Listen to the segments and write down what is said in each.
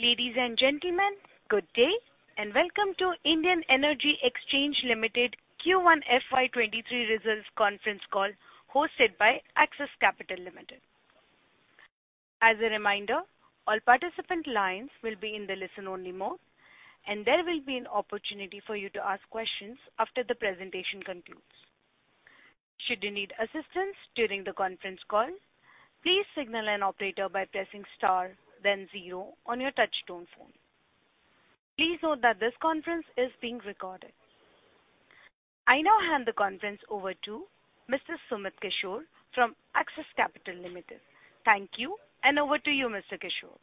Ladies and gentlemen, good day, and welcome to Indian Energy Exchange Limited Q1 FY 2023 results conference call hosted by Axis Capital Limited. As a reminder, all participant lines will be in the listen-only mode, and there will be an opportunity for you to ask questions after the presentation concludes. Should you need assistance during the conference call, please signal an operator by pressing star then zero on your touchtone phone. Please note that this conference is being recorded. I now hand the conference over to Mr. Sumit Kishore from Axis Capital Limited. Thank you, and over to you, Mr. Kishore.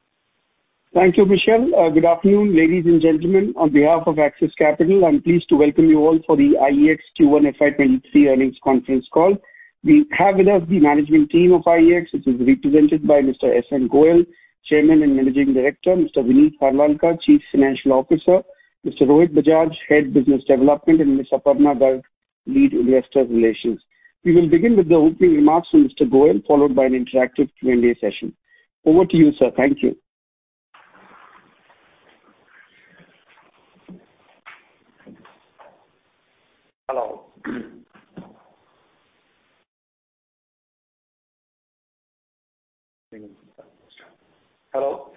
Thank you, Michelle. Good afternoon, ladies and gentlemen. On behalf of Axis Capital, I'm pleased to welcome you all for the IEX Q1 FY 2023 earnings conference call. We have with us the management team of IEX, which is represented by Mr. S.N. Goel, Chairman and Managing Director, Mr. Vineet Harlalka, Chief Financial Officer, Mr. Rohit Bajaj, Head Business Development, and Ms. Aparna Garg, Lead Investor Relations. We will begin with the opening remarks from Mr. Goel, followed by an interactive Q&A session. Over to you, sir. Thank you. Hello.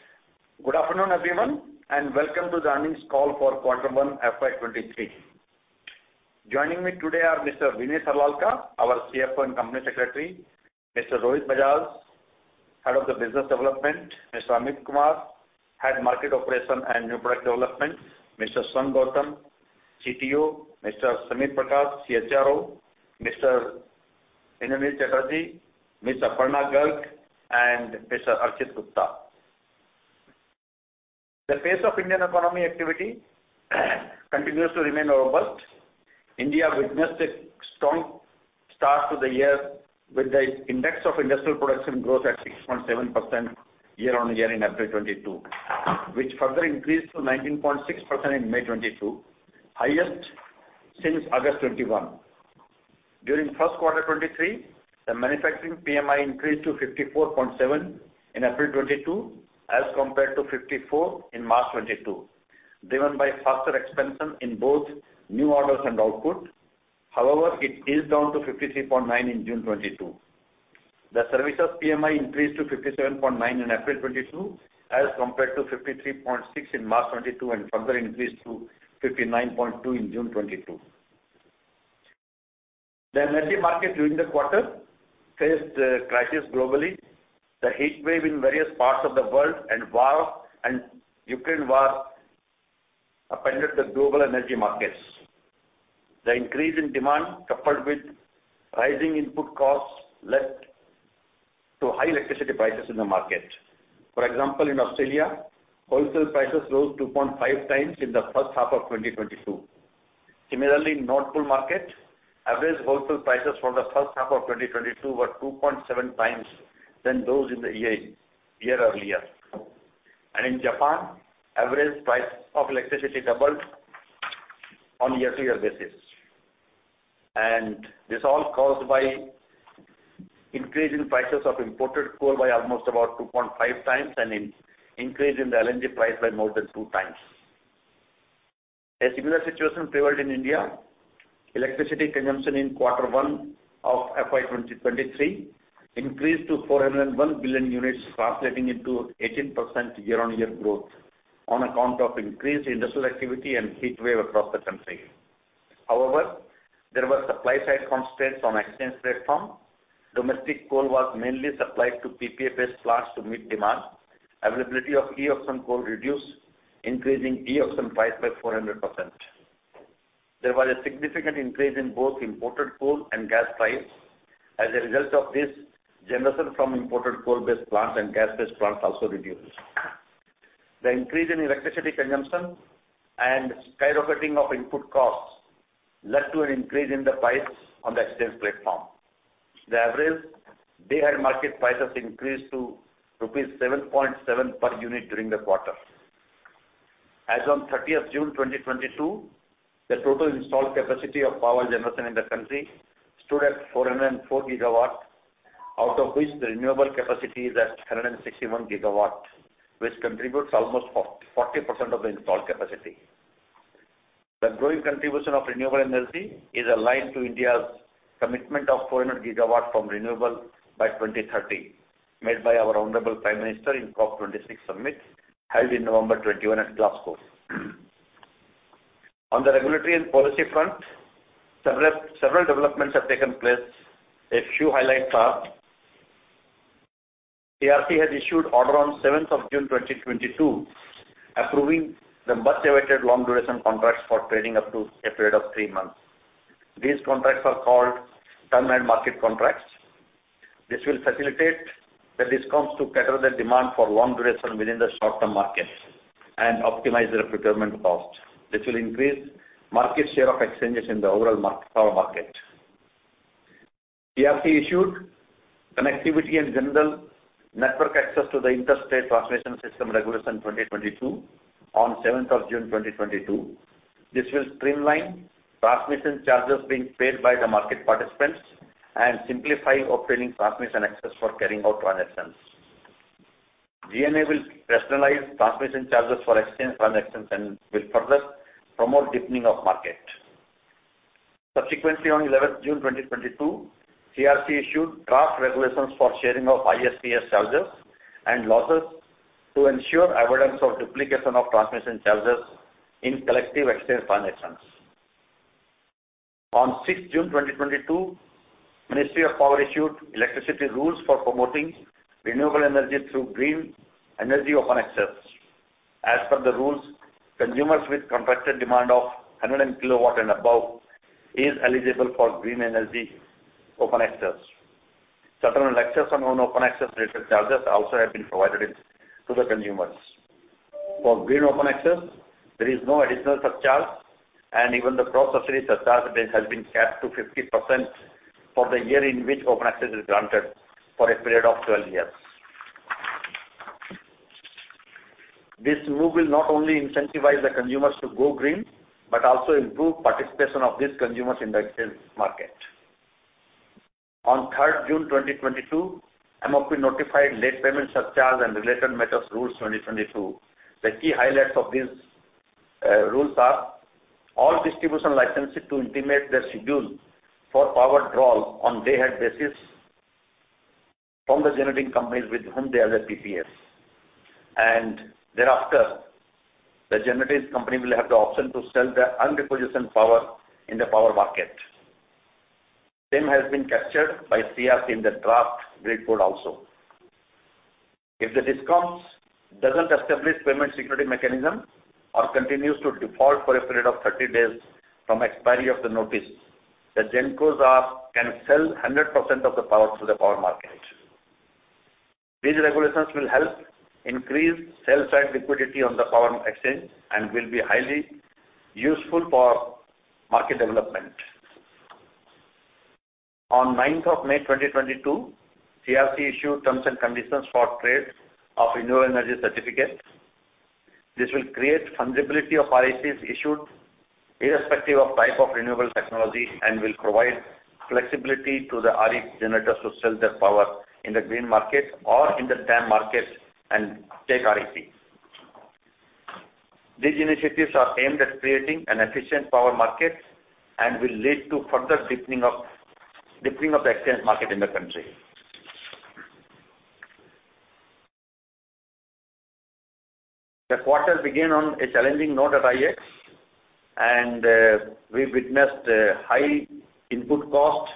Good afternoon, everyone, and welcome to the earnings call for quarter one FY 2023. Joining me today are Mr. Vineet Harlalka, our CFO and Company Secretary, Mr. Rohit Bajaj, Head of the Business Development, Mr. Amit Kumar, Head Market Operation and New Product Development, Mr. Sangh Gautam, CTO, Mr. Samir Prakash, CHRO, Mr. Indranil Chatterjee, Ms. Aparna Garg, and Mr. Archit Gupta. The pace of Indian economy activity continues to remain robust. India witnessed a strong start to the year with the index of industrial production growth at 6.7% year on year in April 2022, which further increased to 19.6% in May 2022, highest since August 2021. During first quarter 2023, the manufacturing PMI increased to 54.7 in April 2022 as compared to 54 in March 2022, driven by faster expansion in both new orders and output. However, it is down to 53.9 in June 2022. The services PMI increased to 57.9 in April 2022 as compared to 53.6 in March 2022 and further increased to 59.2 in June 2022. The energy market during the quarter faced a crisis globally. The heatwave in various parts of the world and the Ukraine war upended the global energy markets. The increase in demand, coupled with rising input costs, led to high electricity prices in the market. For example, in Australia, wholesale prices rose 2.5x in the first half of 2022. Similarly, Nord Pool market, average wholesale prices for the first half of 2022 were 2.7x than those in the year earlier. In Japan, average price of electricity doubled on a year-to-year basis. This all caused by increase in prices of imported coal by almost about 2.5x and an increase in the LNG price by more than 2x. A similar situation prevailed in India. Electricity consumption in quarter one of FY 2023 increased to 401 billion units, translating into 18% year-on-year growth on account of increased industrial activity and heatwave across the country. However, there were supply-side constraints on exchange platform. Domestic coal was mainly supplied to PPAs plants to meet demand. Availability of e-auction coal reduced, increasing e-auction price by 400%. There was a significant increase in both imported coal and gas price. As a result of this, generation from imported coal-based plants and gas-based plants also reduced. The increase in electricity consumption and skyrocketing of input costs led to an increase in the price on the exchange platform. The average Day-Ahead Market prices increased to rupees 7.7 per unit during the quarter. As on 30th June 2022, the total installed capacity of power generation in the country stood at 404 GW, out of which the renewable capacity is at 161 GW, which contributes almost 40% of the installed capacity. The growing contribution of renewable energy is aligned to India's commitment of 400 GW from renewables by 2030, made by our honorable Prime Minister in COP26 Summit held in November 2021 at Glasgow. On the regulatory and policy front, several developments have taken place. A few highlights are. CERC has issued order on 7th June 2022, approving the much-awaited long duration contracts for trading up to a period of three months. These contracts are called Term-Ahead Market contracts. This will facilitate the discounts to cater to the demand for long duration within the short-term market and optimize the procurement cost. This will increase market share of exchanges in the overall power market. CERC issued Connectivity and General Network Access to the Inter-State Transmission System Regulations 2022 on the 7th of June 2022. This will streamline transmission charges being paid by the market participants and simplify obtaining transmission access for carrying out transactions. GNA will rationalize transmission charges for exchange transactions and will further promote deepening of market. Subsequently, on the 11th of June 2022, CERC issued draft regulations for sharing of ISTS charges and losses to ensure avoidance of duplication of transmission charges in collective exchange transactions. On the 6th of June 2022, Ministry of Power issued electricity rules for promoting renewable energy through green energy open access. As per the rules, consumers with contracted demand of 100 kW and above is eligible for Green Energy Open Access. Certain letters on open access related charges also have been provided to the consumers. For green open access, there is no additional surcharge, and even the processing surcharge rates has been capped to 50% for the year in which open access is granted for a period of 12 years. This move will not only incentivize the consumers to go green, but also improve participation of these consumers in the exchange market. On 3rd June 2022, MoP notified Late Payment Surcharge and Related Matters Rules, 2022. The key highlights of these rules are all distribution licensees to intimate their schedule for power draw on Day-Ahead basis from the generating companies with whom they have a PPAs. Thereafter, the generating company will have the option to sell their un-requisitioned power in the power market. Same has been captured by CERC in the draft grid code also. If the DISCOMs doesn't establish payment security mechanism or continues to default for a period of 30 days from expiry of the notice, the GenCos can sell 100% of the power to the power market. These regulations will help increase sell-side liquidity on the power exchange and will be highly useful for market development. On ninth of May 2022, CERC issued terms and conditions for trade of renewable energy certificates. This will create fungibility of RECs issued irrespective of type of renewable technology and will provide flexibility to the REC generators to sell their power in the green market or in the TAM market and take REC. These initiatives are aimed at creating an efficient power market and will lead to further deepening of the exchange market in the country. The quarter began on a challenging note at IEX, and we witnessed a high input cost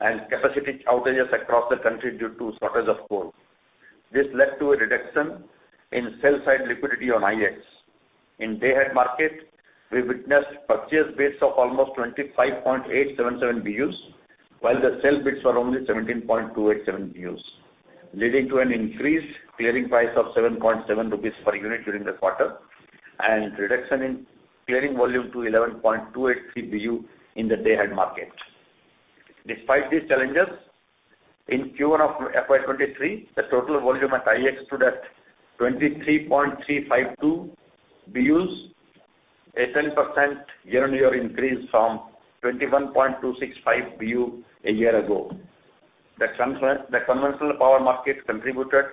and capacity outages across the country due to shortage of coal. This led to a reduction in sell side liquidity on IEX. In Day-Ahead Market, we witnessed purchase bids of almost 25.877 BUs, while the sell bids were only 17.287 BUs, leading to an increased clearing price of 7.7 rupees per unit during the quarter and reduction in clearing volume to 11.283 BU in the Day-Ahead Market. Despite these challenges, in Q1 of FY 2023, the total volume at IEX stood at 23.352 BUs, a 10% year-on-year increase from 21.265 BU a year ago. The conventional power market contributed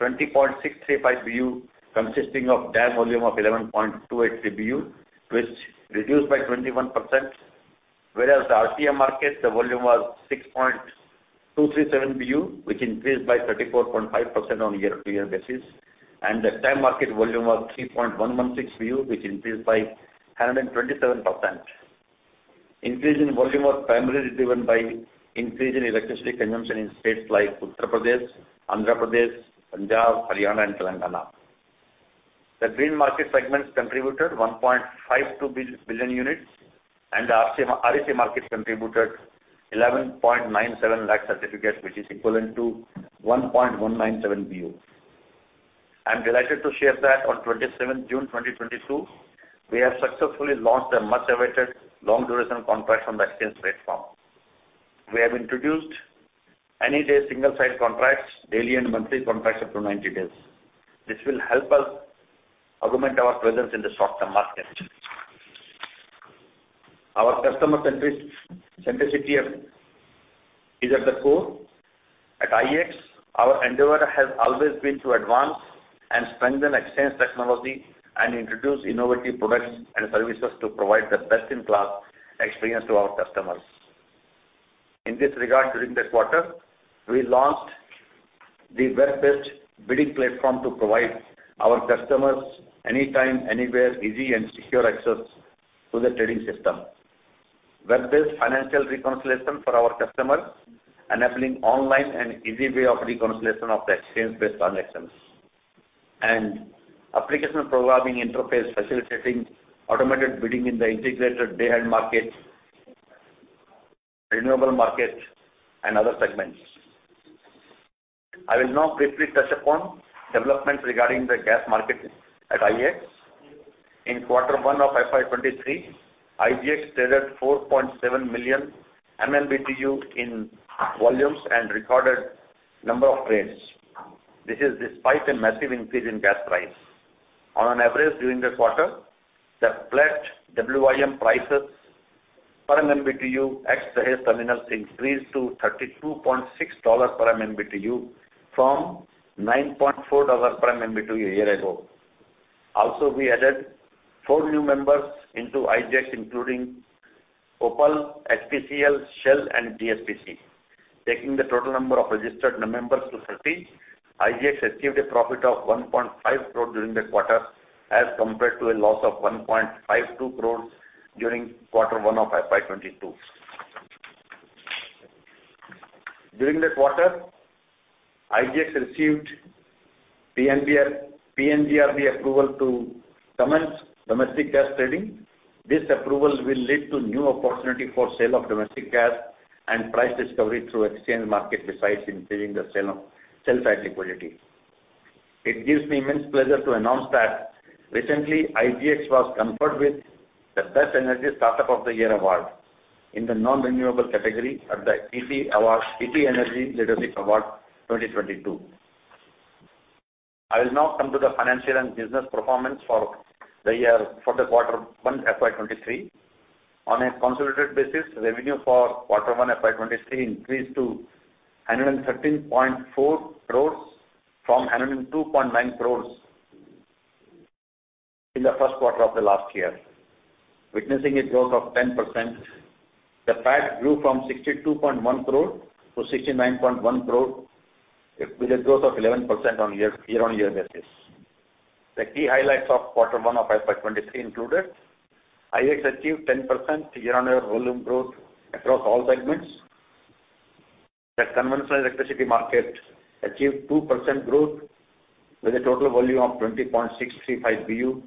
20.635 BU, consisting of DAM volume of 11.283 BU, which reduced by 21%. The RTM market volume was 6.237 BU, which increased by 34.5% on year-on-year basis, and the TAM market volume was 3.116 BU, which increased by 127%. Increase in volume was primarily driven by increase in electricity consumption in states like Uttar Pradesh, Andhra Pradesh, Punjab, Haryana and Telangana. The green market segments contributed 1.52 billion units, and the REC market contributed 11.97 lakh certificates, which is equivalent to 1.197 BU. I'm delighted to share that on 27th June 2022, we have successfully launched a much-awaited long duration contract on the exchange trade form. We have introduced any day single site contracts, daily and monthly contracts up to 90 days. This will help us augment our presence in the short-term market. Our customer centricity is at the core. At IEX, our endeavor has always been to advance and strengthen exchange technology and introduce innovative products and services to provide the best-in-class experience to our customers. In this regard, during this quarter, we launched the web-based bidding platform to provide our customers anytime, anywhere, easy and secure access to the trading system. Web-based financial reconciliation for our customers, enabling online and easy way of reconciliation of the exchange-based transactions. Application programming interface facilitating automated bidding in the integrated day-ahead market, renewable market and other segments. I will now briefly touch upon developments regarding the gas market at IEX. In quarter one of FY 2023, IGX traded 4.7 million MMBtu in volumes and recorded number of trades. This is despite a massive increase in gas price. On an average during the quarter, the Platts WIM prices per MMBtu at Dahej Terminal increased to $32.6 per MMBtu, from $9.4 per MMBtu a year ago. Also, we added four new members into IEX, including OPaL, HPCL, Shell, and GSPC, taking the total number of registered members to 30. IEX achieved a profit of 1.5 crore during the quarter, as compared to a loss of 1.52 crores during quarter one of FY 2022. During the quarter, IEX received PNGRB approval to commence domestic gas trading. This approval will lead to new opportunity for sale of domestic gas and price discovery through exchange market besides increasing the sell side liquidity. It gives me immense pleasure to announce that recently IEX was conferred with the Best Energy Startup of the Year Award in the Non-Renewable category at the ET Energy Leadership Award 2022. I will now come to the financial and business performance for the quarter one FY 2023. On a consolidated basis, revenue for quarter one FY 2023 increased to 113.4 crores from 102.9 crores in the first quarter of the last year, witnessing a growth of 10%. The PAT grew from 62.1 crore to 69.1 crore, with a growth of 11% on year-on-year basis. The key highlights of quarter one of FY 2023 included IEX achieved 10% year-on-year volume growth across all segments. The conventional electricity market achieved 2% growth with a total volume of 20.635 BU,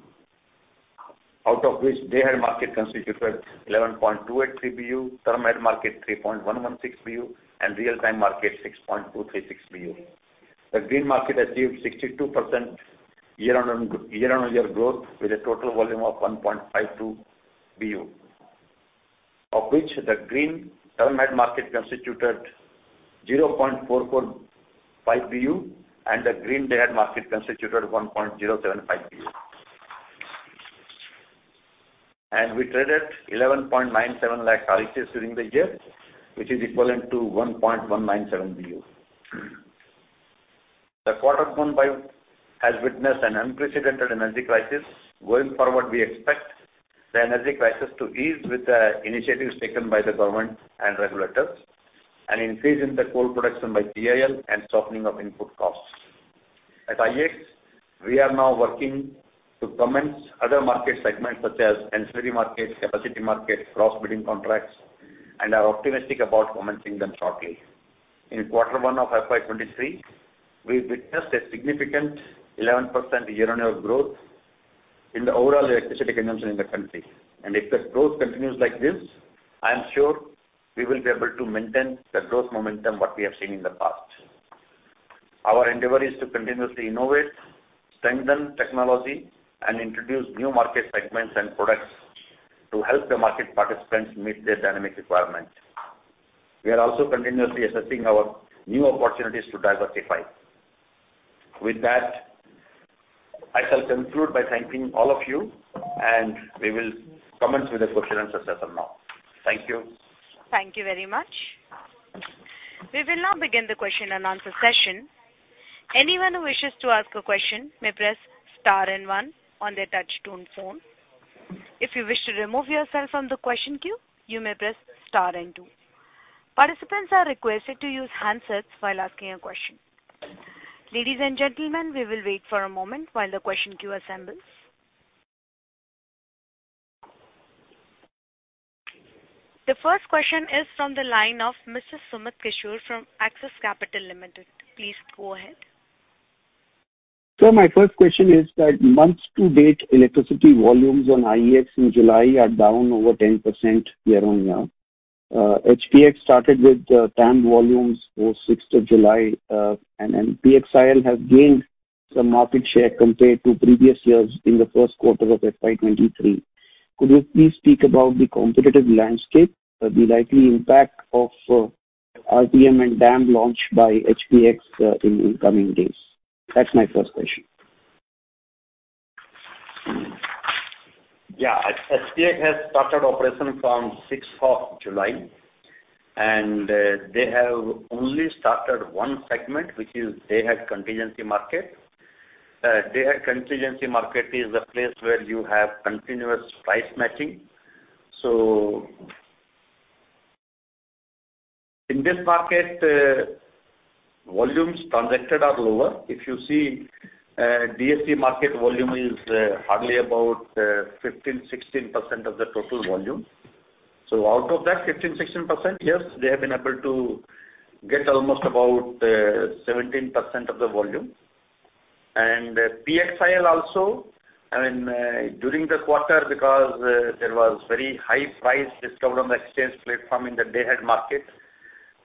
out of which Day-Ahead Market constituted 11.283 BU, Term-Ahead Market 3.116 BU, and Real-Time Market 6.236 BU. The green market achieved 62% year-over-year growth, with a total volume of 1.52 BU, of which the Green Term-Ahead Market constituted 0.445 BU and the Green Day-Ahead Market constituted 1.075 BU. We traded 11.97 lakh RECs during the year, which is equivalent to 1.197 BU. The quarter one has witnessed an unprecedented energy crisis. Going forward, we expect the energy crisis to ease with the initiatives taken by the government and regulators, an increase in the coal production by CIL, and softening of input costs. At IEX, we are now working to commence other market segments such as ancillary markets, capacity markets, cross-border contracts, and are optimistic about commencing them shortly. In quarter one of FY 2023, we witnessed a significant 11% year-on-year growth in the overall electricity consumption in the country. If the growth continues like this, I am sure we will be able to maintain the growth momentum what we have seen in the past. Our endeavor is to continuously innovate, strengthen technology, and introduce new market segments and products to help the market participants meet their dynamic requirements. We are also continuously assessing our new opportunities to diversify. With that, I shall conclude by thanking all of you, and we will commence with the question and answer session now. Thank you. Thank you very much. We will now begin the question-and-answer session. Anyone who wishes to ask a question may press star and one on their touchtone phone. If you wish to remove yourself from the question queue, you may press star and two. Participants are requested to use handsets while asking a question. Ladies and gentlemen, we will wait for a moment while the question queue assembles. The first question is from the line of Mr. Sumit Kishore from Axis Capital Limited. Please go ahead. My first question is that month-to-date electricity volumes on IEX in July are down over 10% year-on-year. HPX started with TAM volumes post sixth of July, and then PXIL has gained some market share compared to previous years in the first quarter of FY 2023. Could you please speak about the competitive landscape, the likely impact of RTM and DAM launch by HPX in the coming days? That's my first question. Yeah. HPX has started operation from sixth of July, and they have only started one segment, which is Day-Ahead Contingency Market. Day-Ahead Contingency Market is the place where you have continuous price matching. In this market, volumes transacted are lower. If you see, DAC market volume is hardly about 15%-16% of the total volume. Out of that 15%-16%, they have been able to get almost about 17% of the volume. PXIL also, during the quarter, because there was very high price discovered on the exchange platform in the day-ahead market,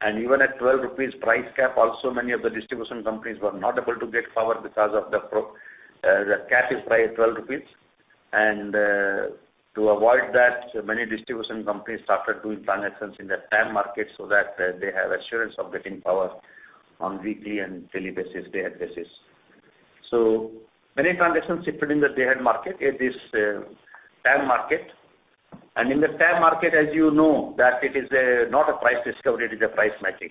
and even at 12 rupees price cap also many of the distribution companies were not able to get power because the cap is priced at 12 rupees. To avoid that, many distribution companies started doing transactions in the TAM market so that they have assurance of getting power on weekly and daily basis, day-ahead basis. Many transactions shifted in the day-ahead market, this TAM market. In the TAM market, as you know, that it is not a price discovery, it is a price matching.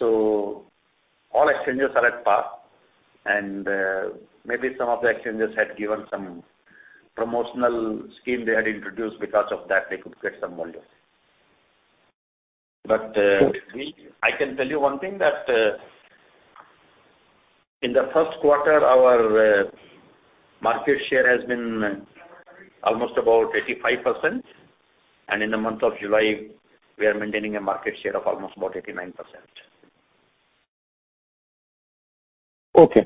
All exchanges are at par and maybe some of the exchanges had given some promotional scheme they had introduced. Because of that, they could get some volumes. I can tell you one thing, that, in the first quarter, our market share has been almost about 85%. In the month of July, we are maintaining a market share of almost about 89%. Okay.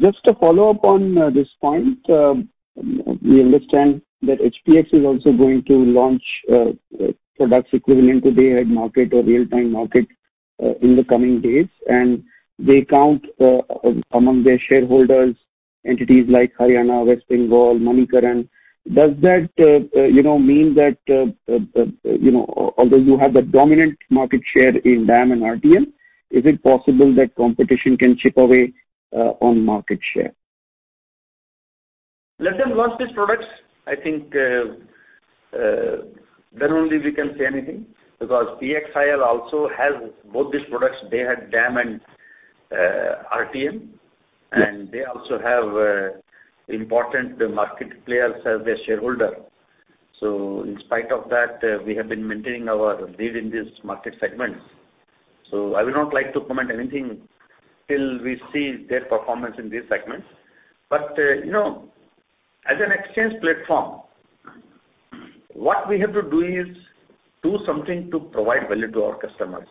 Just to follow up on this point. We understand that HPX is also going to launch products equivalent to Day-Ahead Market or Real-Time Market in the coming days. They count among their shareholders entities like Haryana, West Bengal, Manikaran. Does that, you know, mean that, you know, although you have the dominant market share in DAM and RTM, is it possible that competition can chip away on market share? Let them launch these products. I think, then only we can say anything. Because PXIL also has both these products. They had DAM and RTM. Yes. They also have important market players as their shareholder. In spite of that, we have been maintaining our lead in these market segments. I will not like to comment anything till we see their performance in these segments. You know, as an exchange platform, what we have to do is do something to provide value to our customers.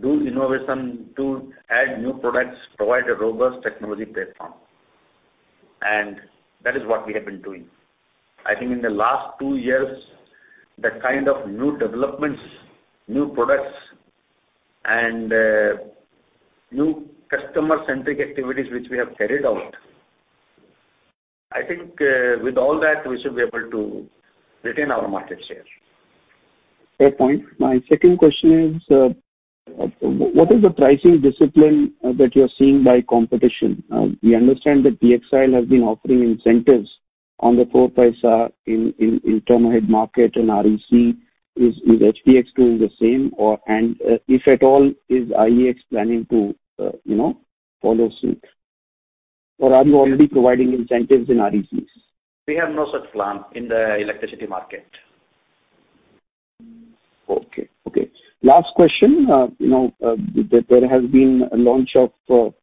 Do innovation, do add new products, provide a robust technology platform. That is what we have been doing. I think in the last two years, the kind of new developments, new products and new customer centric activities which we have carried out, I think, with all that we should be able to retain our market share. Fair point. My second question is, what is the pricing discipline that you are seeing by competition? We understand that PXIL has been offering incentives on the four paise in TAM and REC. Is HPX doing the same? And if at all, is IEX planning to, you know, follow suit? Or are you already providing incentives in RECs? We have no such plan in the electricity market. Okay. Last question. You know, there has been a launch of the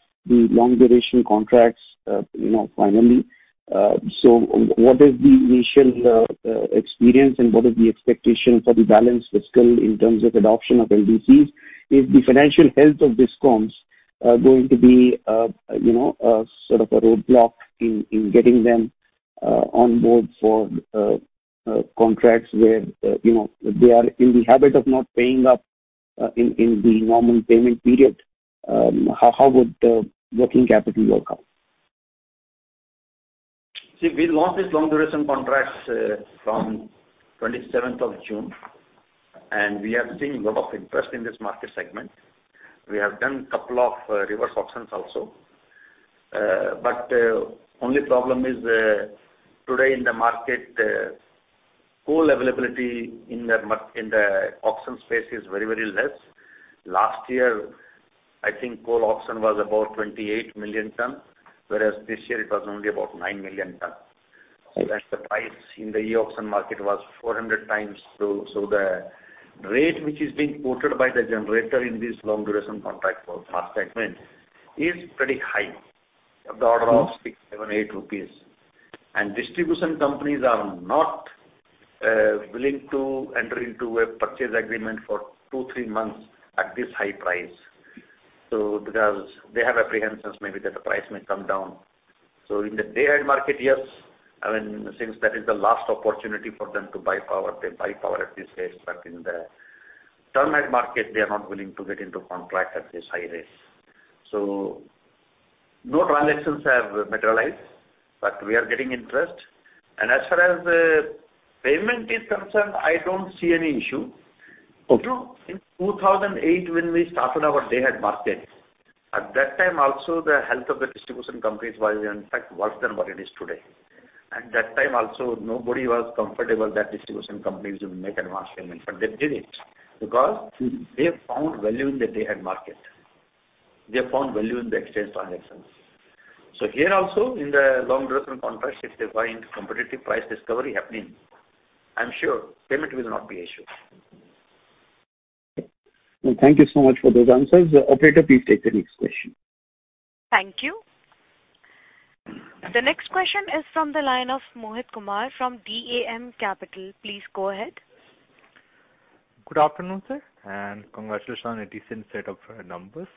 long duration contracts, you know, finally. What is the initial experience and what is the expectation for the balance fiscal in terms of adoption of LDCs? Is the financial health of DISCOMs going to be, you know, a sort of a roadblock in getting them on board for contracts where, you know, they are in the habit of not paying up in the normal payment period? How would the working capital work out? See, we launched this long duration contracts from 27th of June, and we have seen a lot of interest in this market segment. We have done couple of reverse auctions also. Only problem is, today in the market, coal availability in the auction space is very, very less. Last year, I think coal auction was about 28 million tons, whereas this year it was only about 9 million tons. Okay. The price in the auction market was 400x. The rate which is being quoted by the generator in this long duration contract for power segment is pretty high, of the order of 6 crores, 7 crores, 8 crores rupees. Distribution companies are not willing to enter into a purchase agreement for two, three months at this high price. Because they have apprehensions maybe that the price may come down. In the Day-Ahead Market, yes, I mean, since that is the last opportunity for them to buy power, they buy power at this rate. In the Term-Ahead Market, they are not willing to get into contract at this high rates. No transactions have materialized, but we are getting interest. As far as the payment is concerned, I don't see any issue. Okay. You know, in 2008 when we started our Day-Ahead Market, at that time also the health of the distribution companies was in fact worse than what it is today. At that time also, nobody was comfortable that distribution companies will make advance payment. They did it because they found value in the Day-Ahead Market. They found value in the exchange transactions. Here also in the long duration contracts, if they're buying competitive price discovery happening, I'm sure payment will not be an issue. Thank you so much for those answers. Operator, please take the next question. Thank you. The next question is from the line of Mohit Kumar from DAM Capital. Please go ahead. Good afternoon, sir, and congratulations on a decent set of numbers.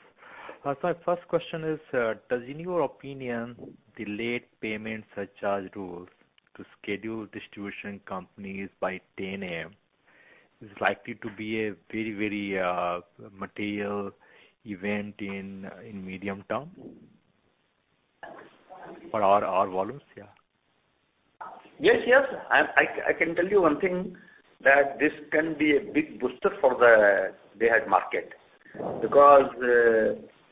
My first question is, does in your opinion, late payment surcharge rules to schedule distribution companies by 10 a.m. likely to be a very, very, material event in medium term for our volumes, yeah. Yes, yes. I can tell you one thing that this can be a big booster for the Day-Ahead Market. Because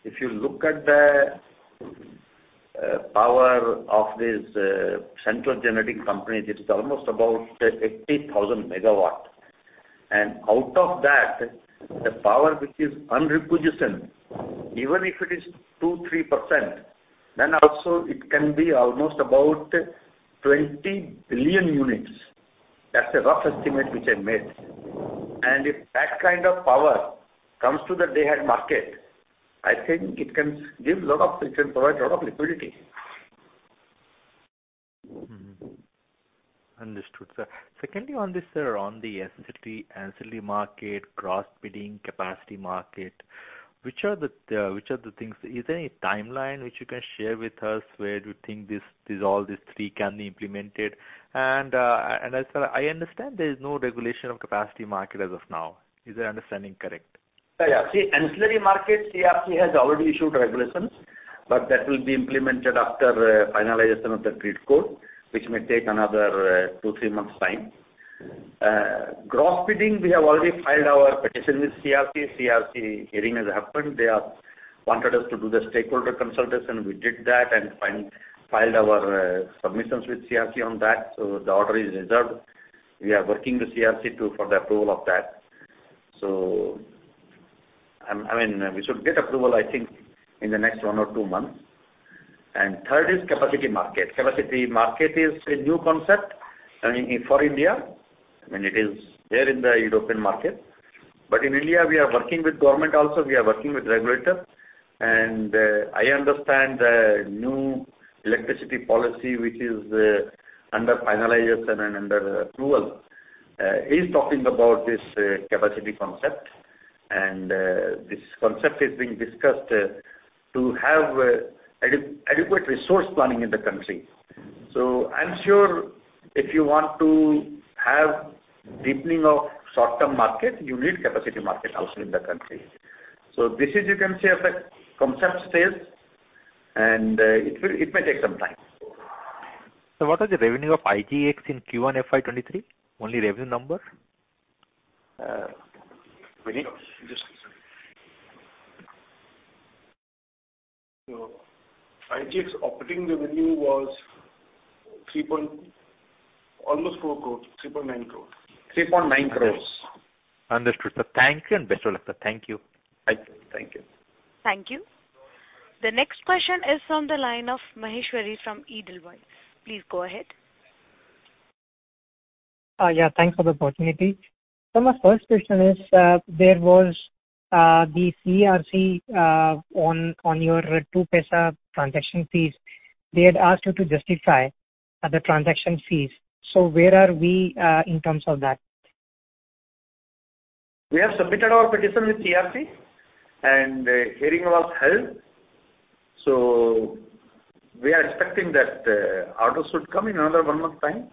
if you look at the power of this central generating company, it is almost about 80,000 MW. Out of that, the power which is un-requisitioned, even if it is 2%-3%, then also it can be almost about 20 billion units. That's a rough estimate which I made. If that kind of power comes to the Day-Ahead Market, I think it can provide a lot of liquidity. Mm-hmm. Understood, sir. Secondly, on this, sir, on the ancillary market, cross-border capacity market, which are the things. Is there any timeline which you can share with us where you think these, all these three can be implemented? As, sir, I understand there is no regulation of capacity market as of now. Is my understanding correct? Yeah, yeah. See, ancillary markets, CERC has already issued regulations, but that will be implemented after finalization of the grid code, which may take another two to three months' time. Cross-bidding, we have already filed our petition with CERC. CERC hearing has happened. They have wanted us to do the stakeholder consultation. We did that and filed our submissions with CERC on that. So the order is reserved. We are working with CERC for the approval of that. So, I mean, we should get approval, I think, in the next one to two months. Third is capacity market. Capacity market is a new concept for India. I mean, it is there in the European market. But in India, we are working with government also, we are working with regulator. I understand the new electricity policy, which is under finalization and under approval, is talking about this capacity concept. This concept is being discussed to have adequate resource planning in the country. I'm sure if you want to have deepening of short-term market, you need capacity market also in the country. This is, you can say, at the concept stage, and it may take some time. What was the revenue of IGX in Q1 FY 2023? Only revenue number. Vineet. Just a second. IGX operating revenue was almost 4 crores, 3.9 crores. 3.9 crores. Understood, sir. Thank you and best of luck, sir. Thank you. Thank you. Thank you. The next question is on the line of Maheshwari from Edelweiss. Please go ahead. Yeah, thanks for the opportunity. My first question is, there was the CERC on your two paisa transaction fees. They had asked you to justify the transaction fees. Where are we in terms of that? We have submitted our petition with CERC, and a hearing was held. We are expecting that order should come in another one month time.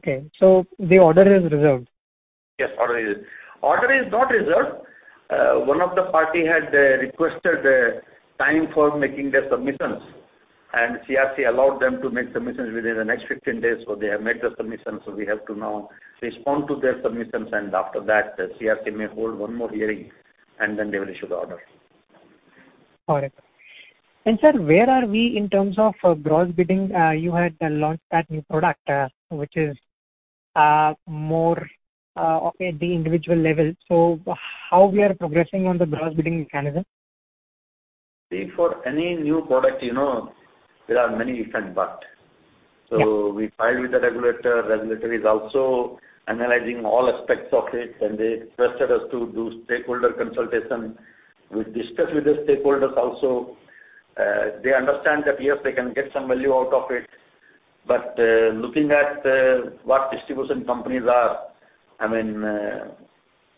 Okay. The order is reserved? Order is not reserved. One of the party had requested a time for making their submissions, and CERC allowed them to make submissions within the next 15 days. They have made the submissions, so we have to now respond to their submissions. After that, CERC may hold one more hearing, and then they will issue the order. All right. Sir, where are we in terms of gross bidding? You had launched that new product, which is, more, okay, at the individual level. How we are progressing on the gross bidding mechanism? See, for any new product, you know, there are many ifs and buts. Yeah. We file with the regulator. Regulator is also analyzing all aspects of it, and they requested us to do stakeholder consultation. We discuss with the stakeholders also. They understand that, yes, they can get some value out of it. But, looking at, what distribution companies are, I mean,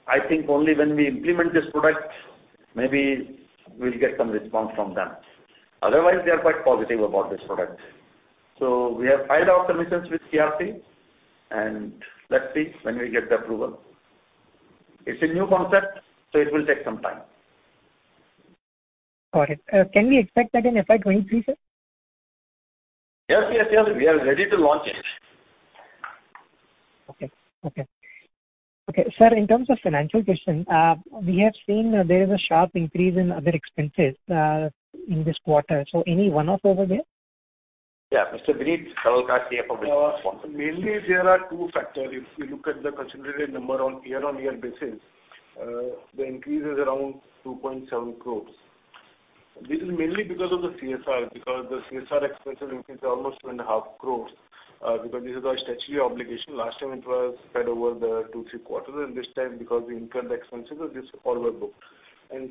I think only when we implement this product, maybe we'll get some response from them. Otherwise, they are quite positive about this product. We have filed our submissions with CERC, and let's see when we get the approval. It's a new concept, so it will take some time. All right. Can we expect that in FY 2023, sir? Yes, yes. We are ready to launch it. Okay, sir, in terms of financial question, we have seen there is a sharp increase in other expenses in this quarter. Any one-off over there? Yeah. Mr. Vineet Harlalka here from Mainly there are two factors. If you look at the consolidated number on year-on-year basis, the increase is around 2.7 crores. This is mainly because of the CSR, because the CSR expenses increased to almost 2.5 crores, because this is our statutory obligation. Last time it was spread over the two, three quarters, and this time, because we incurred the expenses, so this all were booked.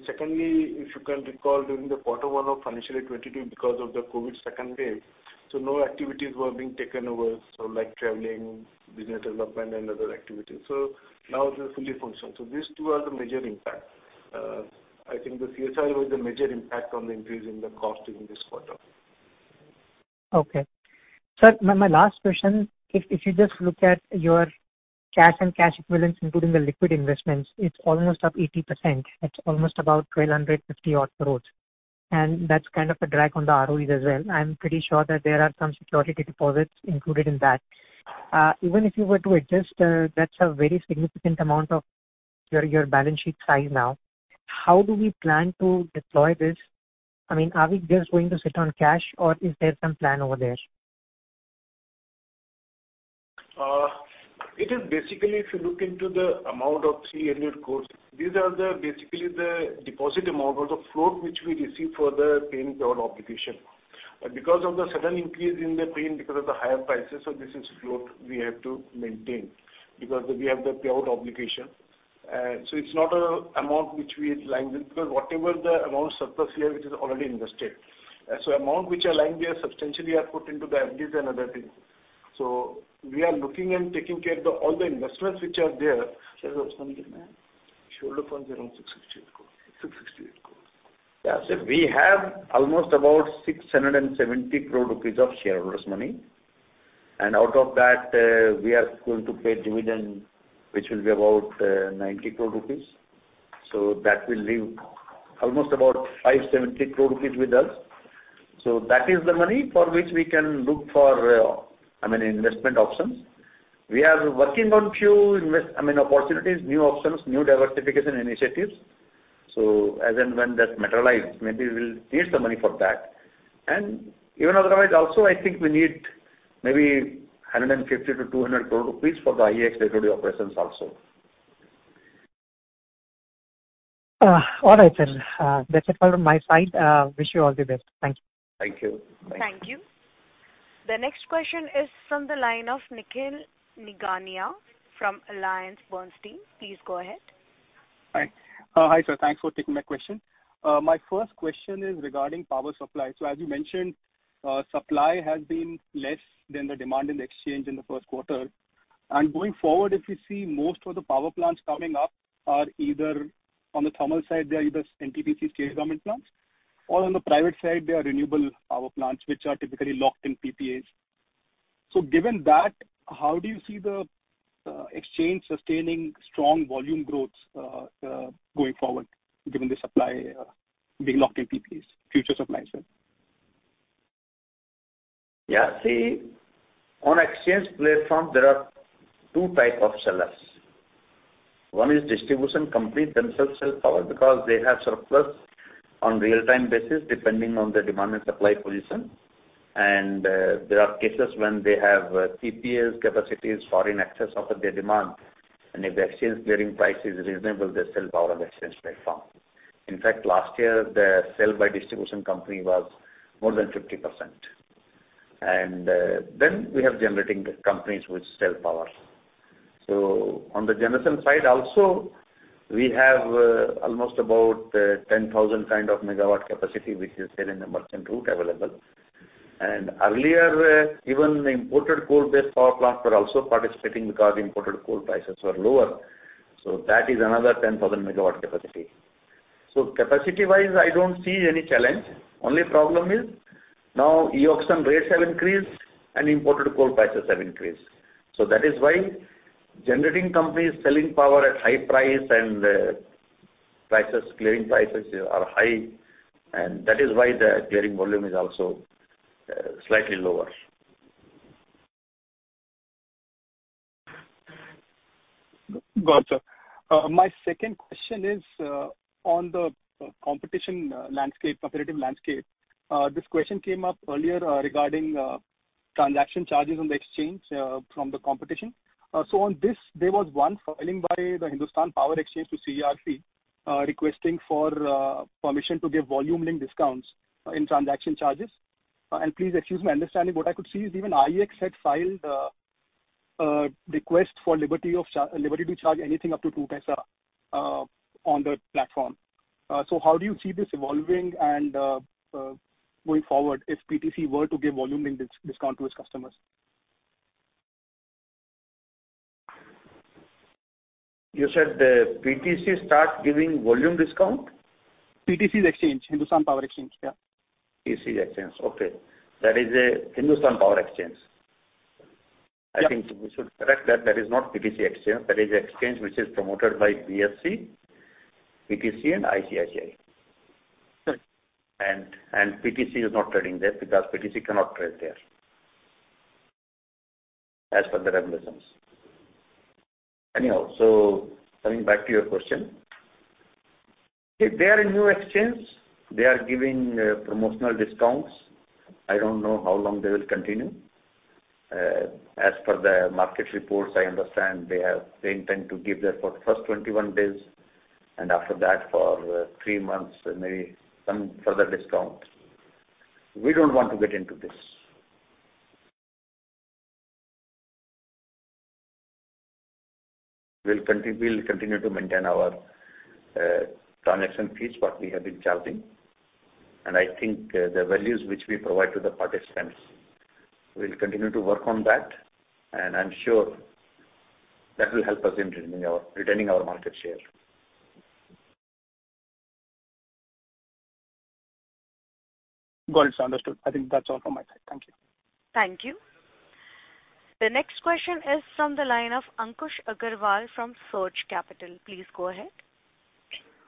Secondly, if you can recall, during the quarter one of financial year 2022 because of the COVID second wave, so no activities were being taken over, so like traveling, business development and other activities. Now they are fully functional. These two are the major impact. I think the CSR was the major impact on the increase in the cost during this quarter. Okay. Sir, my last question, if you just look at your cash and cash equivalents, including the liquid investments, it's almost up 80%. It's almost about 1,250 odd crores. That's kind of a drag on the ROEs as well. I'm pretty sure that there are some security deposits included in that. Even if you were to adjust, that's a very significant amount of your balance sheet size now. How do we plan to deploy this? I mean, are we just going to sit on cash, or is there some plan over there? It is basically if you look into the amount of three annual cross, these are basically the deposit amount or the float which we receive for the payment or obligation. Because of the sudden increase in the payment because of the higher prices, so this is float we have to maintain because we have the payout obligation. It is not an amount which we aligned with. Because whatever the surplus amount here, which is already invested. Amount which are lying there substantially are put into the FDs and other things. We are looking and taking care of all the investments which are there. Shareholders money, shareholder funds around INR 668 crores. INR 668 crores. We have almost about 670 crores of shareholders money. Out of that, we are going to pay dividend, which will be about 90 crore rupees. That will leave almost about 570 crore rupees with us. That is the money for which we can look for, I mean, investment options. We are working on few opportunities, I mean, new options, new diversification initiatives. As and when that materialize, maybe we'll need some money for that. Even otherwise also, I think we need maybe 150 crores-200 crores rupees for the IEX regulatory operations also. All right, sir. That's it from my side. Wish you all the best. Thank you. Thank you. Bye. Thank you. The next question is from the line of Nikhil Nigania from AllianceBernstein. Please go ahead. Hi. Hi, sir. Thanks for taking my question. My first question is regarding power supply. As you mentioned, supply has been less than the demand in the exchange in the first quarter. Going forward, if you see most of the power plants coming up are either on the thermal side, they are either NTPC state government plants, or on the private side, they are renewable power plants, which are typically locked in PPAs. Given that, how do you see the exchange sustaining strong volume growth, going forward, given the supply being locked in PPAs, future supply, sir? Yeah. See, on exchange platform, there are two type of sellers. One is distribution company themselves sell power because they have surplus on real-time basis depending on the demand and supply position. There are cases when they have PPAs capacities far in excess of their demand. If the exchange clearing price is reasonable, they sell power on exchange platform. In fact, last year, the sale by distribution company was more than 50%. Then we have generating companies which sell power. On the generation side also, we have almost about 10,000 kind of MW capacity, which is still in the merchant route available. Earlier, even imported coal-based power plants were also participating because imported coal prices were lower. That is another 10,000 MW capacity. Capacity-wise, I don't see any challenge. Only problem is now e-auction rates have increased and imported coal prices have increased. That is why generating companies selling power at high price and prices, clearing prices are high. That is why the clearing volume is also slightly lower. Got it, sir. My second question is on the competitive landscape. This question came up earlier regarding transaction charges on the exchange from the competition. On this, there was 1 filing by the Hindustan Power Exchange to CERC requesting permission to give volume link discounts in transaction charges. Please excuse my understanding. What I could see is even IEX had filed a request for liberty to charge anything up to two paisa on the platform. How do you see this evolving and going forward if PTC were to give volume link discount to its customers? You said the PTC start giving volume discount? PTC, IEX, Hindustan Power Exchange. Yeah. PTC exchange. Okay. That is a Hindustan Power Exchange. Yeah. I think we should correct that. That is not PTC exchange. That is exchange which is promoted by BSE, PTC and ICICI. Sure. PTC is not trading there because PTC cannot trade there as per the regulations. Anyhow, coming back to your question. If they are a new exchange, they are giving promotional discounts. I don't know how long they will continue. As per the market reports, I understand they intend to give that for first 21 days, and after that for three months, maybe some further discounts. We don't want to get into this. We'll continue to maintain our transaction fees what we have been charging. I think the values which we provide to the participants, we'll continue to work on that, and I'm sure that will help us in retaining our market share. Got it, sir. Understood. I think that's all from my side. Thank you. Thank you. The next question is from the line of Ankush Agrawal from Surge Capital. Please go ahead.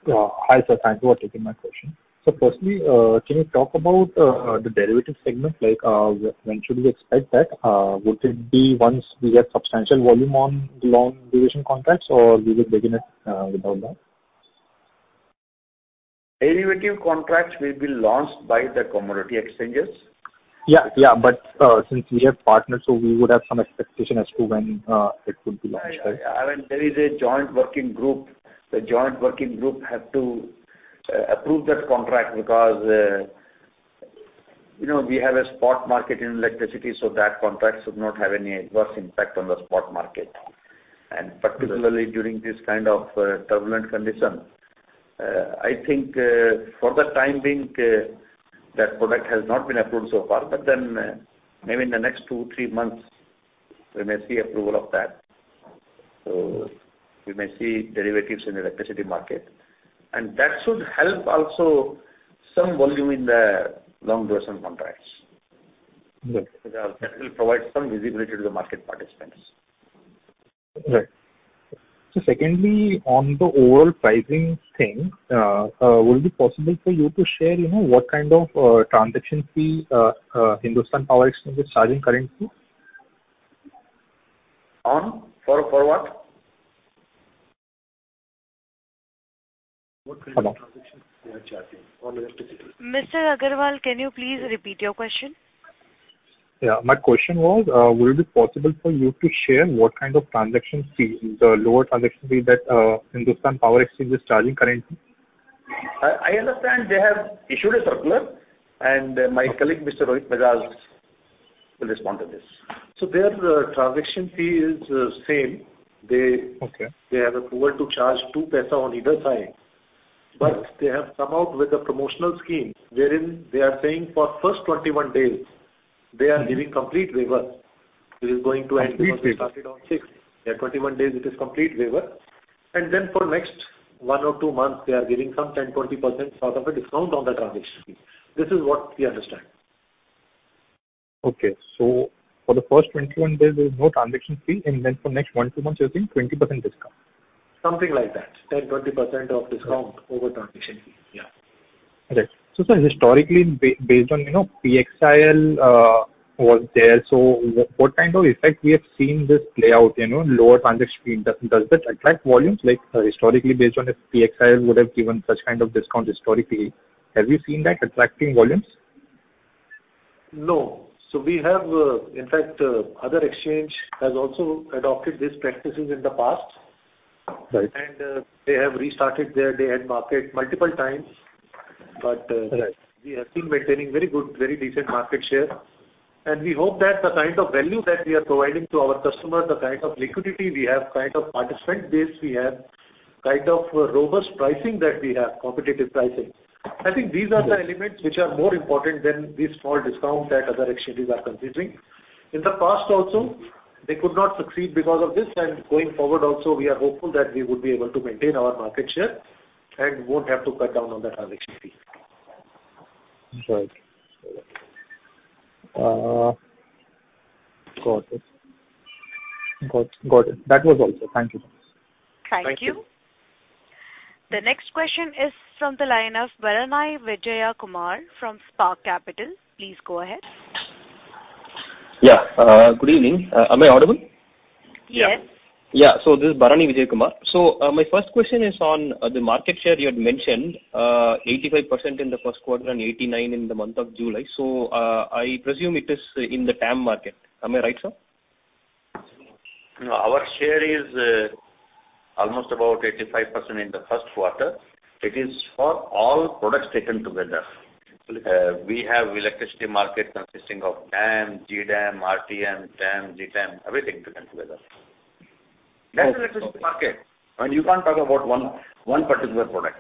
Hi, sir. Thank you for taking my question. Firstly, can you talk about the derivative segment? When should we expect that? Would it be once we get substantial volume on long duration contracts, or we will begin it without that? Derivative contracts will be launched by the commodity exchanges. Yeah, yeah. Since we are partners, so we would have some expectation as to when it would be launched, right? I mean, there is a joint working group. The joint working group have to approve that contract because, you know, we have a spot market in electricity, so that contract should not have any adverse impact on the spot market. Particularly during this kind of turbulent condition. I think, for the time being, that product has not been approved so far. Then, maybe in the next two, three months we may see approval of that. We may see derivatives in the electricity market, and that should help also some volume in the long duration contracts. Good. That will provide some visibility to the market participants. Right. Secondly, on the overall pricing thing, will it be possible for you to share, you know, what kind of, transaction fee, Hindustan Power Exchange is charging currently? On? For what? What kind of transaction fee are you charging on electricity? Mr. Aggarwal, can you please repeat your question? Yeah. My question was, would it be possible for you to share what kind of transaction fee, the lower transaction fee that Hindustan Power Exchange is charging currently? I understand they have issued a circular, and my colleague Mr. Rohit Bajaj will respond to this. Their transaction fee is same. Okay. They have approval to charge two paisa on either side. They have come out with a promotional scheme wherein they are saying for first 21 days they are giving complete waiver, which is going to end- Complete waiver? Because they started on sixth. Yeah, 21 days it is complete waiver. Then for next one or two months they are giving some 10%, 20% sort of a discount on the transaction fee. This is what we understand. Okay. For the first 21 days there is no transaction fee, and then for next 1, 2 months you're saying 20% discount. Something like that. 10%-20% off discount over transaction fee. Yeah. Right. Sir, historically based on, you know, PXIL was there. What kind of effect we have seen this play out, you know, lower transaction fee. Does that attract volumes like historically based on if PXIL would have given such kind of discount historically, have you seen that attracting volumes? No. We have, in fact, other exchange has also adopted these practices in the past. Right. They have restarted their Day-Ahead Market multiple times. Right We have been maintaining very good, very decent market share. We hope that the kind of value that we are providing to our customers, the kind of liquidity we have, kind of participant base we have, kind of robust pricing that we have, competitive pricing. I think these are the elements which are more important than these small discounts that other exchanges are considering. In the past also, they could not succeed because of this. Going forward also, we are hopeful that we would be able to maintain our market share and won't have to cut down on the transaction fee. Right. Got it. Got it. That was all, sir. Thank you. Thank you. Thank you. The next question is from the line of Bharanidhar Vijayakumar from Spark Capital. Please go ahead. Yeah. Good evening. Am I audible? Yes. Yeah. This is Bharanidhar Vijayakumar. My first question is on the market share you had mentioned, 85% in the first quarter and 89% in the month of July. I presume it is in the TAM market. Am I right, sir? No, our share is almost about 85% in the first quarter. It is for all products taken together. Absolutely. We have electricity market consisting of DAM, GDAM, RTM, TAM, GTAM, everything taken together. That's electricity market, and you can't talk about one particular product.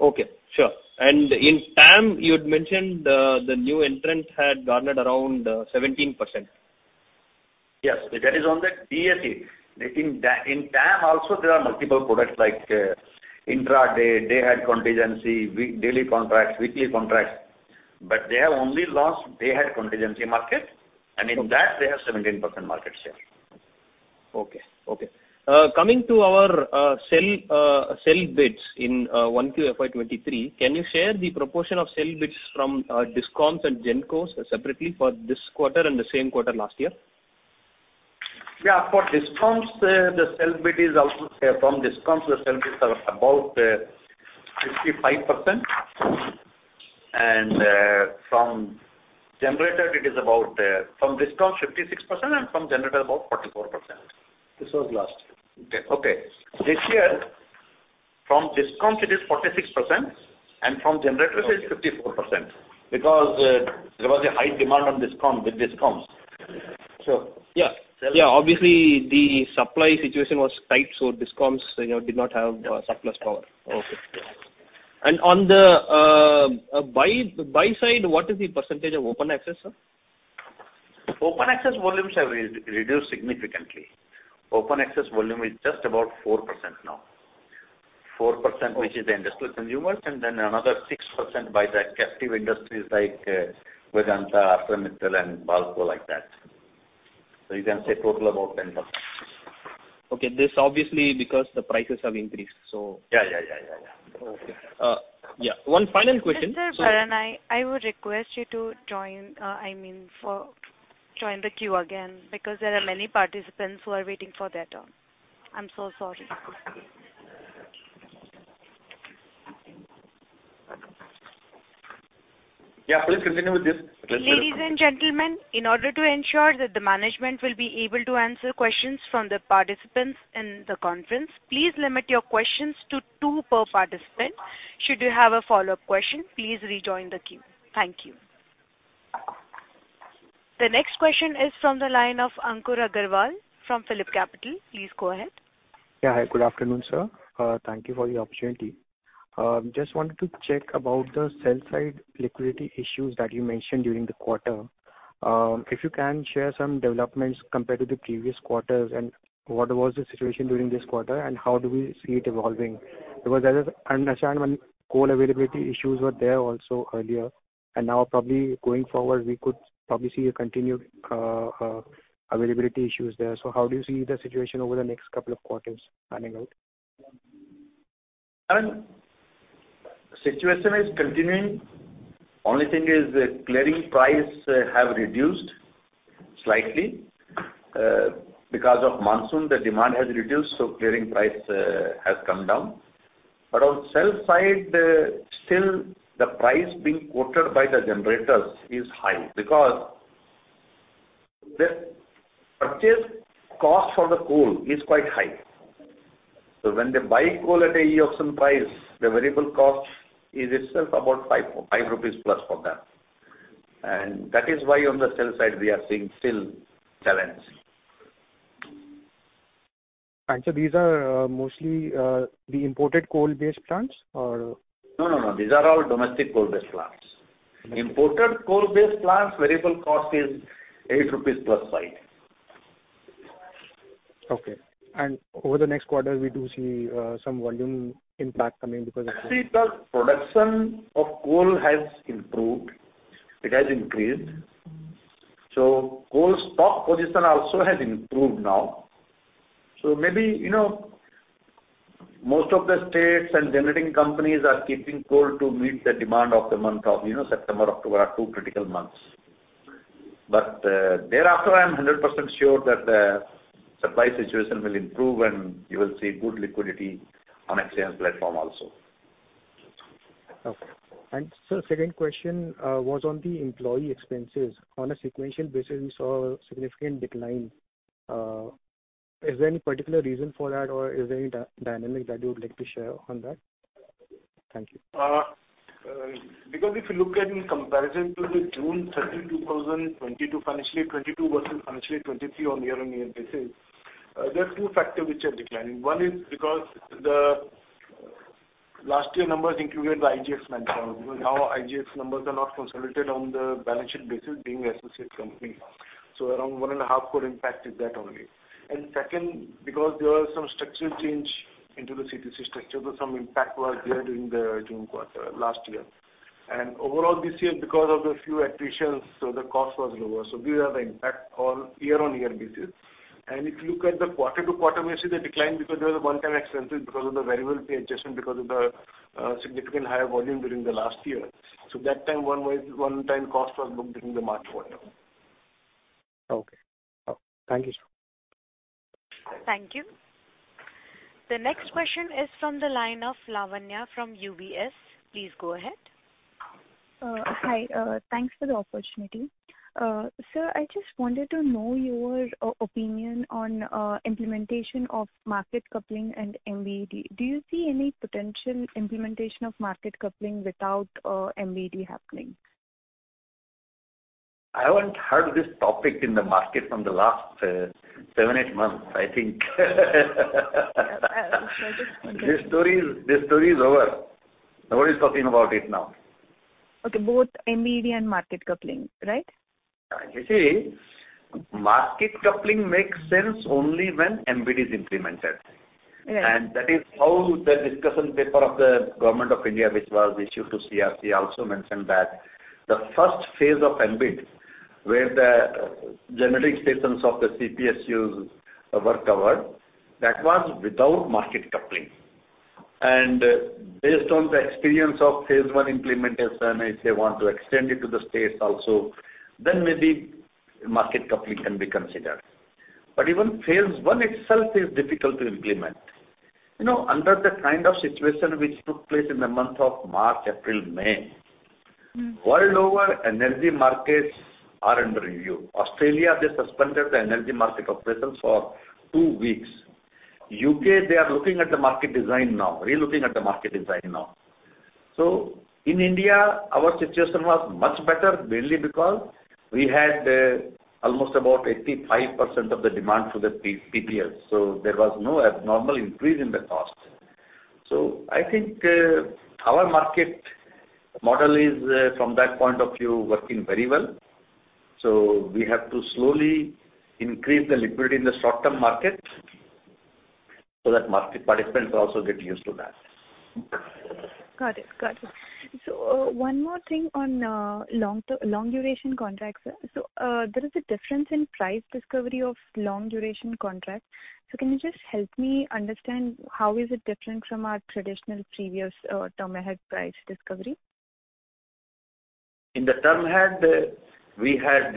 Okay. Sure. In TAM you had mentioned the new entrants had garnered around 17%. Yes. That is on the DAC. In TAM also there are multiple products like intra day ahead contingency, daily contracts, weekly contracts. They have only launched day ahead contingency market. In that they have 17% market share. Coming to our sell bids in 1QFY23, can you share the proportion of sell bids from DISCOMs and GENCOs separately for this quarter and the same quarter last year? For DISCOMs, the sell bids are about 55%. From DISCOMs, it is about 56% and from generator about 44%. This was last year. This year from DISCOMs it is 46% and from generators it is 54%, because there was a high demand on DISCOMs. Yeah. Yeah. Obviously the supply situation was tight, so DISCOMs, you know, did not have surplus power. Okay. On the buy side, what is the percentage of open access, sir? Open access volumes have been reduced significantly. Open access volume is just about 4% now. 4% which is the industrial consumers, and then another 6% by the captive industries like Vedanta, ArcelorMittal and BALCO like that. You can say total about 10%. Okay. This is obviously because the prices have increased. Yeah. Okay. Yeah. One final question. Mr. Bharani, I would request you to join the queue again because there are many participants who are waiting for their turn. I'm so sorry. Yeah, please continue with this. Ladies and gentlemen, in order to ensure that the management will be able to answer questions from the participants in the conference, please limit your questions to two per participant. Should you have a follow-up question, please rejoin the queue. Thank you. The next question is from the line of Ankur Agrawal from PhillipCapital. Please go ahead. Yeah, hi. Good afternoon, sir. Thank you for the opportunity. Just wanted to check about the sell side liquidity issues that you mentioned during the quarter. If you can share some developments compared to the previous quarters, and what was the situation during this quarter, and how do we see it evolving? Because as I understand, when coal availability issues were there also earlier, and now probably going forward, we could probably see a continued availability issues there. How do you see the situation over the next couple of quarters panning out? Situation is continuing. Only thing is the clearing price have reduced slightly. Because of monsoon the demand has reduced, so clearing price has come down. But on sell side, still the price being quoted by the generators is high because the purchase cost for the coal is quite high. When they buy coal at a e-auction price, the variable cost is itself about 5 rupees plus for them. That is why on the sell side we are seeing still challenge. These are mostly the imported coal-based plants or? No, no. These are all domestic coal-based plants. Imported coal-based plants, variable cost is 8 rupees plus 5. Okay. Over the next quarter, we do see some volume impact coming because of that. So the production of coal has improved. It has increased. Coal stock position also has improved now. Maybe, you know, most of the states and generating companies are keeping coal to meet the demand of the month of, you know, September, October are two critical months. Thereafter, I am 100% sure that the supply situation will improve and you will see good liquidity on exchange platform also. Okay. Sir, second question was on the employee expenses. On a sequential basis, we saw a significant decline. Is there any particular reason for that or is there any dynamic that you would like to share on that? Thank you. Because if you look at in comparison to the June 30, 2022, FY 2022 versus FY 2023 on year-on-year basis, there are two factors which are declining. One is because the last year numbers included the IGX numbers. Now IGX numbers are not consolidated on the balance sheet basis being associate company. So around 1.5 crores impact is that only. And second, because there was some structural change into the CTC structure, so some impact was there during the June quarter last year. And overall this year, because of the few attritions, so the cost was lower. So these are the impact on year-on-year basis. If you look at the quarter-to-quarter, we see the decline because there was a one-time expenses because of the variable pay adjustment because of the significant higher volume during the last year. That time one time cost was booked during the March quarter. Okay. Thank you, sir. Thank you. The next question is from the line of Lavanya from UBS. Please go ahead. Hi. Thanks for the opportunity. Sir, I just wanted to know your opinion on implementation of market coupling and MBED. Do you see any potential implementation of market coupling without MBED happening? I haven't heard this topic in the market from the last seven, eight months, I think. Okay. This story is over. Nobody's talking about it now. Okay. Both MBED and market coupling, right? You see, market coupling makes sense only when MBED is implemented. Right. That is how the discussion paper of the Government of India, which was issued to CERC, also mentioned that the first phase of MBED, where the generating stations of the CPSUs were covered, that was without market coupling. Based on the experience of phase one implementation, if they want to extend it to the states also, then maybe market coupling can be considered. Even phase one itself is difficult to implement. You know, under the kind of situation which took place in the month of March, April, May. Mm-hmm. World over, energy markets are under review. Australia, they suspended the energy market operations for two weeks. UK, they are looking at the market design now. In India, our situation was much better, mainly because we had almost about 85% of the demand through the PPA. There was no abnormal increase in the costs. I think our market model is, from that point of view, working very well. We have to slowly increase the liquidity in the short-term market so that market participants also get used to that. Got it. One more thing on long-duration contracts. There is a difference in price discovery of long-duration contracts. Can you just help me understand how is it different from our traditional previous term-ahead price discovery? In the Term-Ahead, we had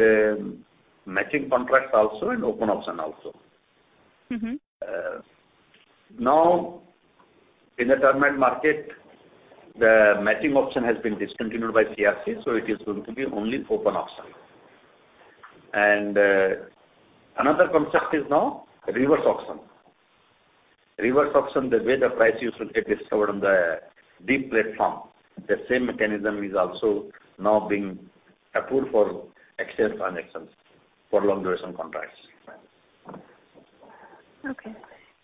matching contracts also and open auction also. Mm-hmm. Now in the Term-Ahead Market, the matching option has been discontinued by CERC, so it is going to be only open auction. Another contract is now reverse auction. Reverse auction, the way the price used to get discovered on the DEEP platform, the same mechanism is also now being approved for excess generation for long duration contracts. Okay.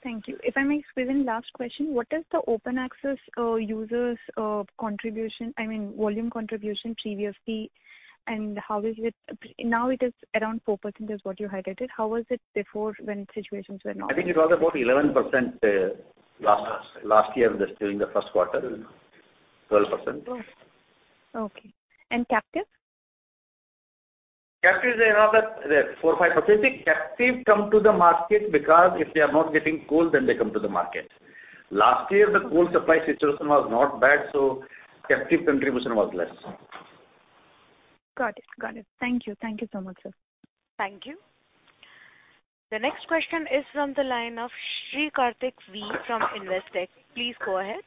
Thank you. If I may squeeze in last question, what is the open access users volume contribution previously, I mean, volume contribution previously, and how is it. Now it is around 4% is what you highlighted. How was it before when situations were normal? I think it was about 11%, last year during the first quarter, 12%. Oh, okay. Captive? Captive is around at 4%-5%. See, captive come to the market because if they are not getting coal, then they come to the market. Last year, the coal supply situation was not bad, so captive contribution was less. Got it. Thank you so much, sir. Thank you. The next question is from the line of Sri Karthik Velamakanni from Investec. Please go ahead.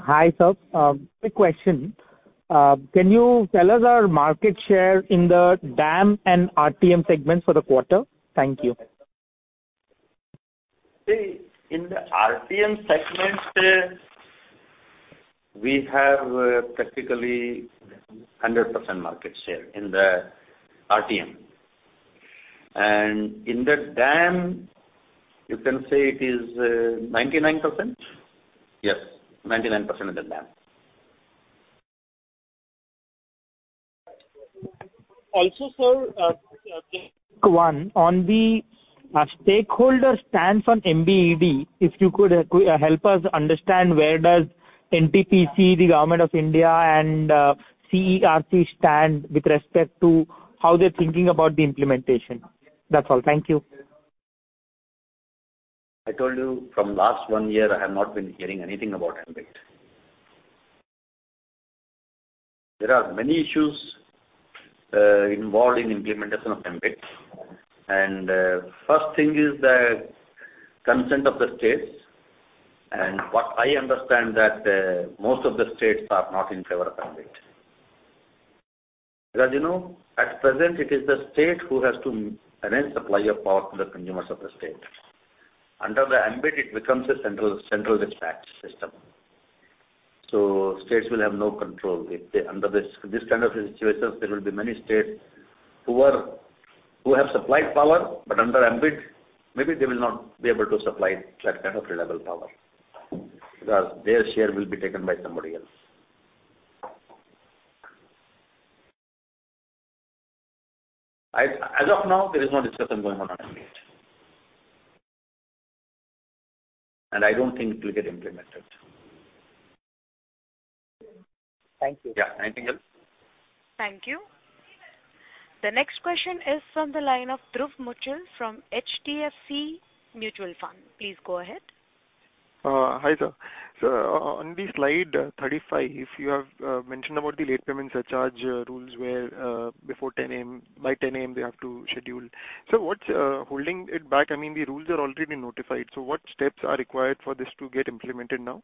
Hi, sir. A quick question. Can you tell us our market share in the DAM and RTM segment for the quarter? Thank you. See, in the RTM segment, we have practically 100% market share in the RTM. In the DAM, you can say it is 99%. Yes, 99% of the DAM. Also, sir, quick one on the stakeholder stance on MBED. If you could help us understand where does NTPC, the Government of India and CERC stand with respect to how they're thinking about the implementation? That's all. Thank you. I told you from last one year, I have not been hearing anything about MBED. There are many issues involved in implementation of MBED. First thing is the consent of the states. What I understand that most of the states are not in favor of MBED. Because, you know, at present it is the state who has to arrange supply of power to the consumers of the state. Under the MBED, it becomes a central, centralized system. States will have no control. Under this kind of situations, there will be many states who have supplied power, but under MBED, maybe they will not be able to supply that kind of reliable power, because their share will be taken by somebody else. As of now, there is no discussion going on on MBED. I don't think it will get implemented. Thank you. Yeah. Anything else? Thank you. The next question is from the line of Dhruv Muchhal from HDFC Mutual Fund. Please go ahead. Hi, sir. Sir, on the slide 35, you have mentioned about the late payment surcharge rules where, before 10 A.M., by 10 A.M. they have to schedule. What's holding it back? I mean, the rules are already notified. What steps are required for this to get implemented now?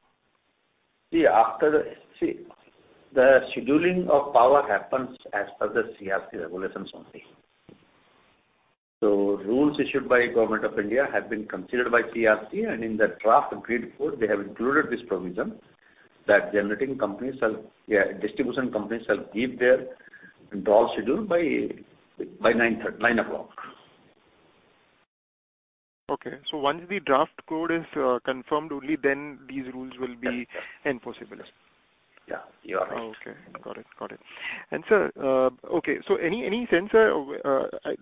The scheduling of power happens as per the CERC regulations only. Rules issued by Government of India have been considered by CERC, and in the draft grid code, they have included this provision that distribution companies shall give their drawal schedule by 9:30. Okay. Once the draft code is confirmed, only then these rules will be. Yes. -enforceable. Yeah. You are right. Oh, okay. Got it. Sir, okay. Any sense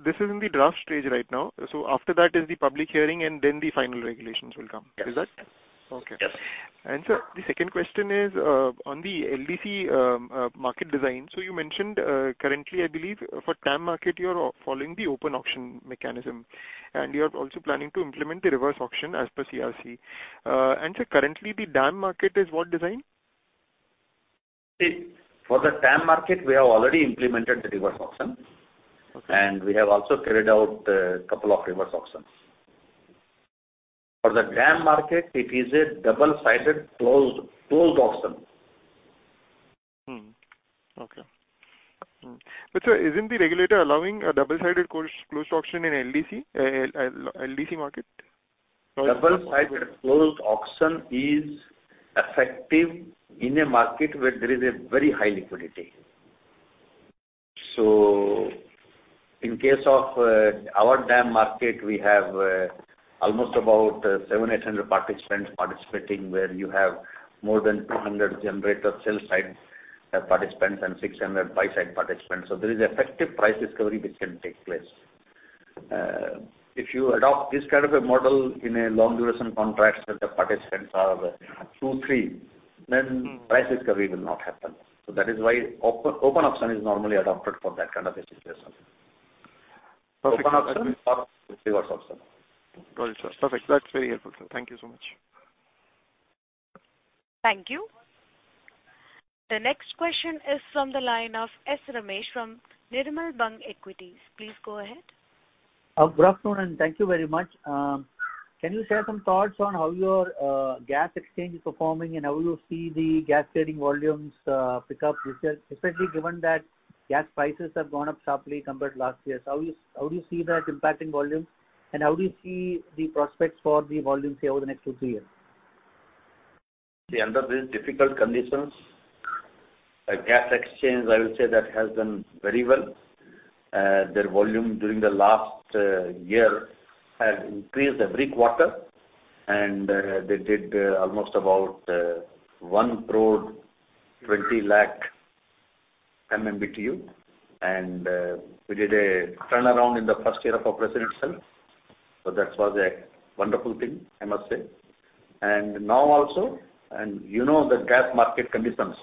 this is in the draft stage right now. After that is the public hearing, and then the final regulations will come. Yes. Is that? Yes. Okay. Sir, the second question is on the LDC market design. You mentioned currently, I believe for TAM market, you are following the open auction mechanism, and you are also planning to implement the reverse auction as per CERC. Sir, currently the DAM market is what design? See, for the TAM market, we have already implemented the reverse auction. Okay. We have also carried out a couple of reverse auctions. For the DAM market, it is a double-sided closed auction. Sir, isn't the regulator allowing a double-sided closed auction in LDC market? Double-sided closed auction is effective in a market where there is a very high liquidity. In case of our DAM market, we have almost about 700-800 participants participating, where you have more than 200 generator sell side participants and 600 buy side participants. There is effective price discovery which can take place. If you adopt this kind of a model in a long-duration contract where the participants are two, three, then price discovery will not happen. That is why open auction is normally adopted for that kind of a situation. Perfect. Open auction. Got it, sir. Perfect. That's very helpful, sir. Thank you so much. Thank you. The next question is from the line of S. Ramesh from Nirmal Bang Equities. Please go ahead. Good afternoon, and thank you very much. Can you share some thoughts on how your gas exchange is performing and how you see the gas trading volumes pick up this year, especially given that gas prices have gone up sharply compared to last year. How do you see that impacting volume, and how do you see the prospects for the volume, say, over the next two, three years? See, under these difficult conditions, the gas exchange, I will say, that has done very well. Their volume during the last year has increased every quarter. They did almost about 1 crore 20 lakh MMBtu. We did a turnaround in the first year of operation itself. That was a wonderful thing, I must say. Now also, you know the gas market conditions.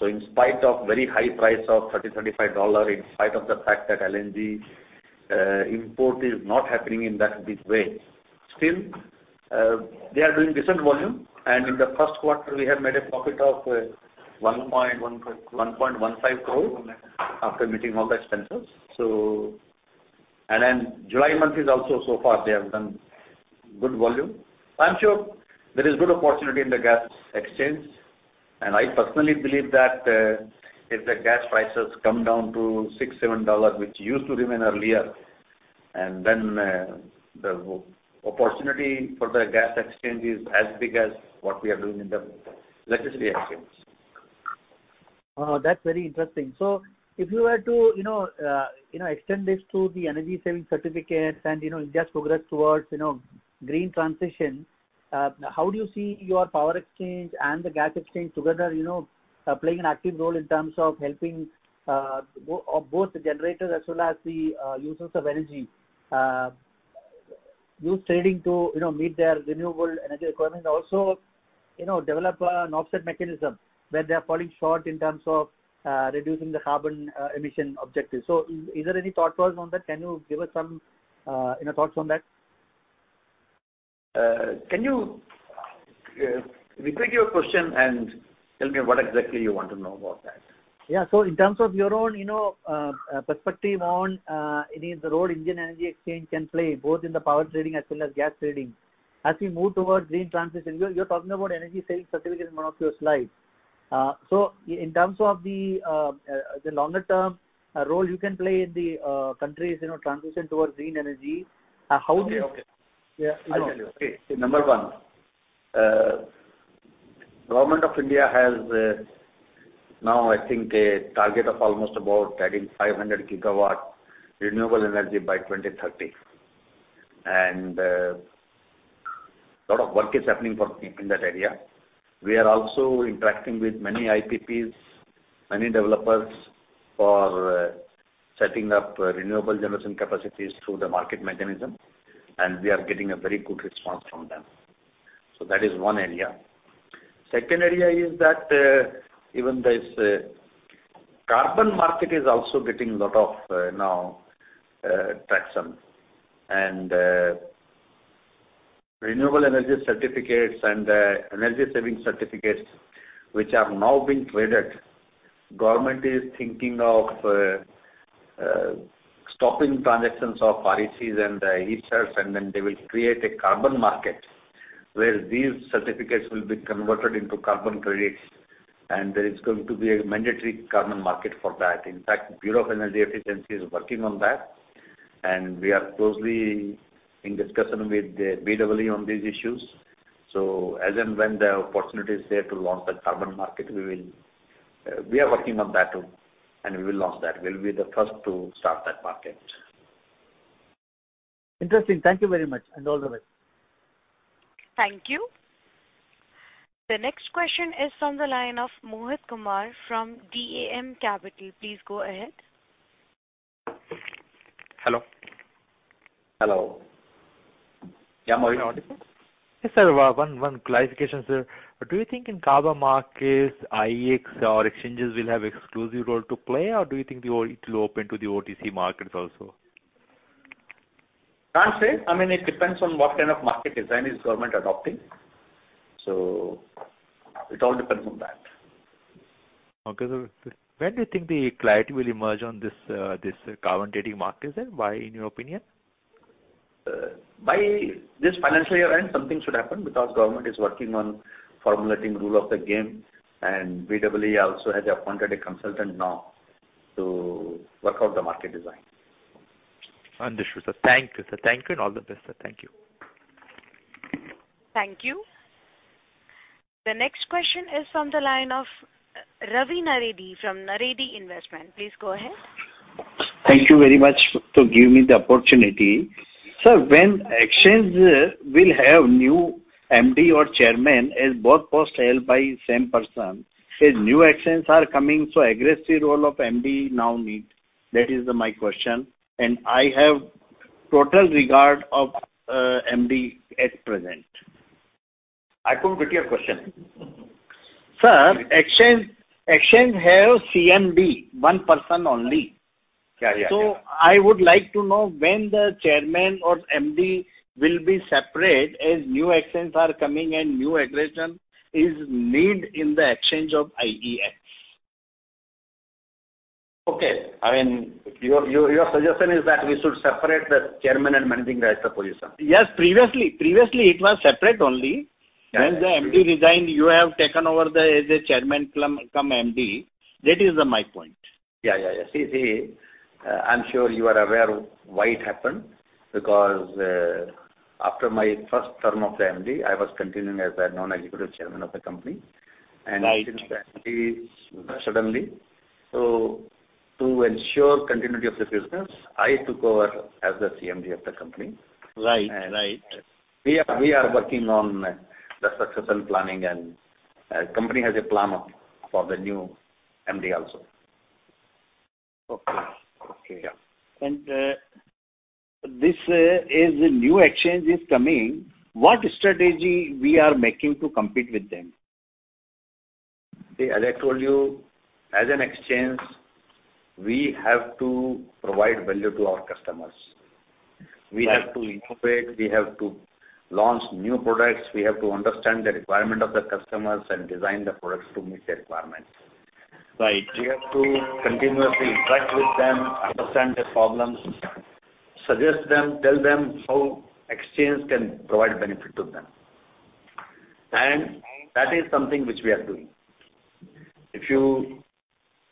In spite of very high price of $30-$35, in spite of the fact that LNG import is not happening in that big way, still, they are doing decent volume. In the first quarter, we have made a profit of 1.15 crore after meeting all the expenses. Then July is also so far they have done good volume. I'm sure there is good opportunity in the gas exchange. I personally believe that, if the gas prices come down to $6-$7, which used to remain earlier, then the opportunity for the gas exchange is as big as what we are doing in the electricity exchange. Oh, that's very interesting. If you were to, you know, extend this to the energy saving certificates and, you know, India's progress towards, you know, green transition, how do you see your power exchange and the gas exchange together, you know, playing an active role in terms of helping both the generators as well as the users of energy use trading to, you know, meet their renewable energy requirements and also, you know, develop an offset mechanism where they are falling short in terms of reducing the carbon emission objectives. Is there any thought process on that? Can you give us some, you know, thoughts on that? Can you repeat your question and tell me what exactly you want to know about that? Yeah. In terms of your own, you know, perspective on any of the role Indian Energy Exchange can play, both in the power trading as well as gas trading, as we move towards green transition. You're talking about Energy Saving Certificates in one of your slides. In terms of the longer term role you can play in the country's, you know, transition towards green energy, how do you Okay. Yeah. I'll tell you. Okay. Number one, Government of India has now I think a target of almost about adding 500 GW of renewable energy by 2030. A lot of work is happening in that area. We are also interacting with many IPPs, many developers for setting up renewable generation capacities through the market mechanism, and we are getting a very good response from them. That is one area. Second area is that even this carbon market is also getting a lot of traction now. Renewable energy certificates and energy saving certificates, which are now being traded, government is thinking of stopping transactions of RECs and ESCerts, and then they will create a carbon market, where these certificates will be converted into carbon credits, and there is going to be a mandatory carbon market for that. In fact, Bureau of Energy Efficiency is working on that, and we are closely in discussion with the BEE on these issues. As and when the opportunity is there to launch that carbon market, we will. We are working on that too, and we will launch that. We'll be the first to start that market. Interesting. Thank you very much, and all the best. Thank you. The next question is from the line of Mohit Kumar from DAM Capital. Please go ahead. Hello. Hello. Yeah, Mohit. Can you hear me audible? Yes, sir. One clarification, sir. Do you think in carbon markets, IEX or exchanges will have exclusive role to play, or do you think it'll open to the OTC markets also? Can't say. I mean, it depends on what kind of market design is Government adopting. It all depends on that. Okay, sir. When do you think the clarity will emerge on this carbon trading market, sir? Why in your opinion? By this financial year-end, something should happen because Government is working on formulating rule of the game, and BEE also has appointed a consultant now to work out the market design. Understood, sir. Thank you, sir. Thank you and all the best, sir. Thank you. Thank you. The next question is from the line of Ravi Naredi from Naredi Investment. Please go ahead. Thank you very much to give me the opportunity. Sir, when Exchange will have new MD or chairman as both posts held by same person, as new exchanges are coming, so aggressive role of MD now needs. That is my question. I have total regard for MD at present. I couldn't get your question. Sir, Exchange have CMD, one person only. Yeah, yeah. I would like to know when the chairman or MD will be separate as new exchanges are coming and new aggression is needed in the exchange of IEX. Okay. I mean, your suggestion is that we should separate the chairman and managing director position. Yes. Previously it was separate only. Yes. When the MD resigned, you have taken over as a Chairman cum MD. That is my point. Yeah. See, I'm sure you are aware why it happened, because after my first term of the MD, I was continuing as a non-executive chairman of the company. Right. To ensure continuity of the business, I took over as the CMD of the company. Right. Right. We are working on the succession planning, and company has a plan for the new MD also. Okay. Yeah. This new exchange is coming. What strategy we are making to compete with them? As I told you, as an Exchange, we have to provide value to our customers. Right. We have to innovate, we have to launch new products, we have to understand the requirement of the customers and design the products to meet their requirements. Right. We have to continuously interact with them, understand their problems, suggest them, tell them how Exchange can provide benefit to them. That is something which we are doing. If you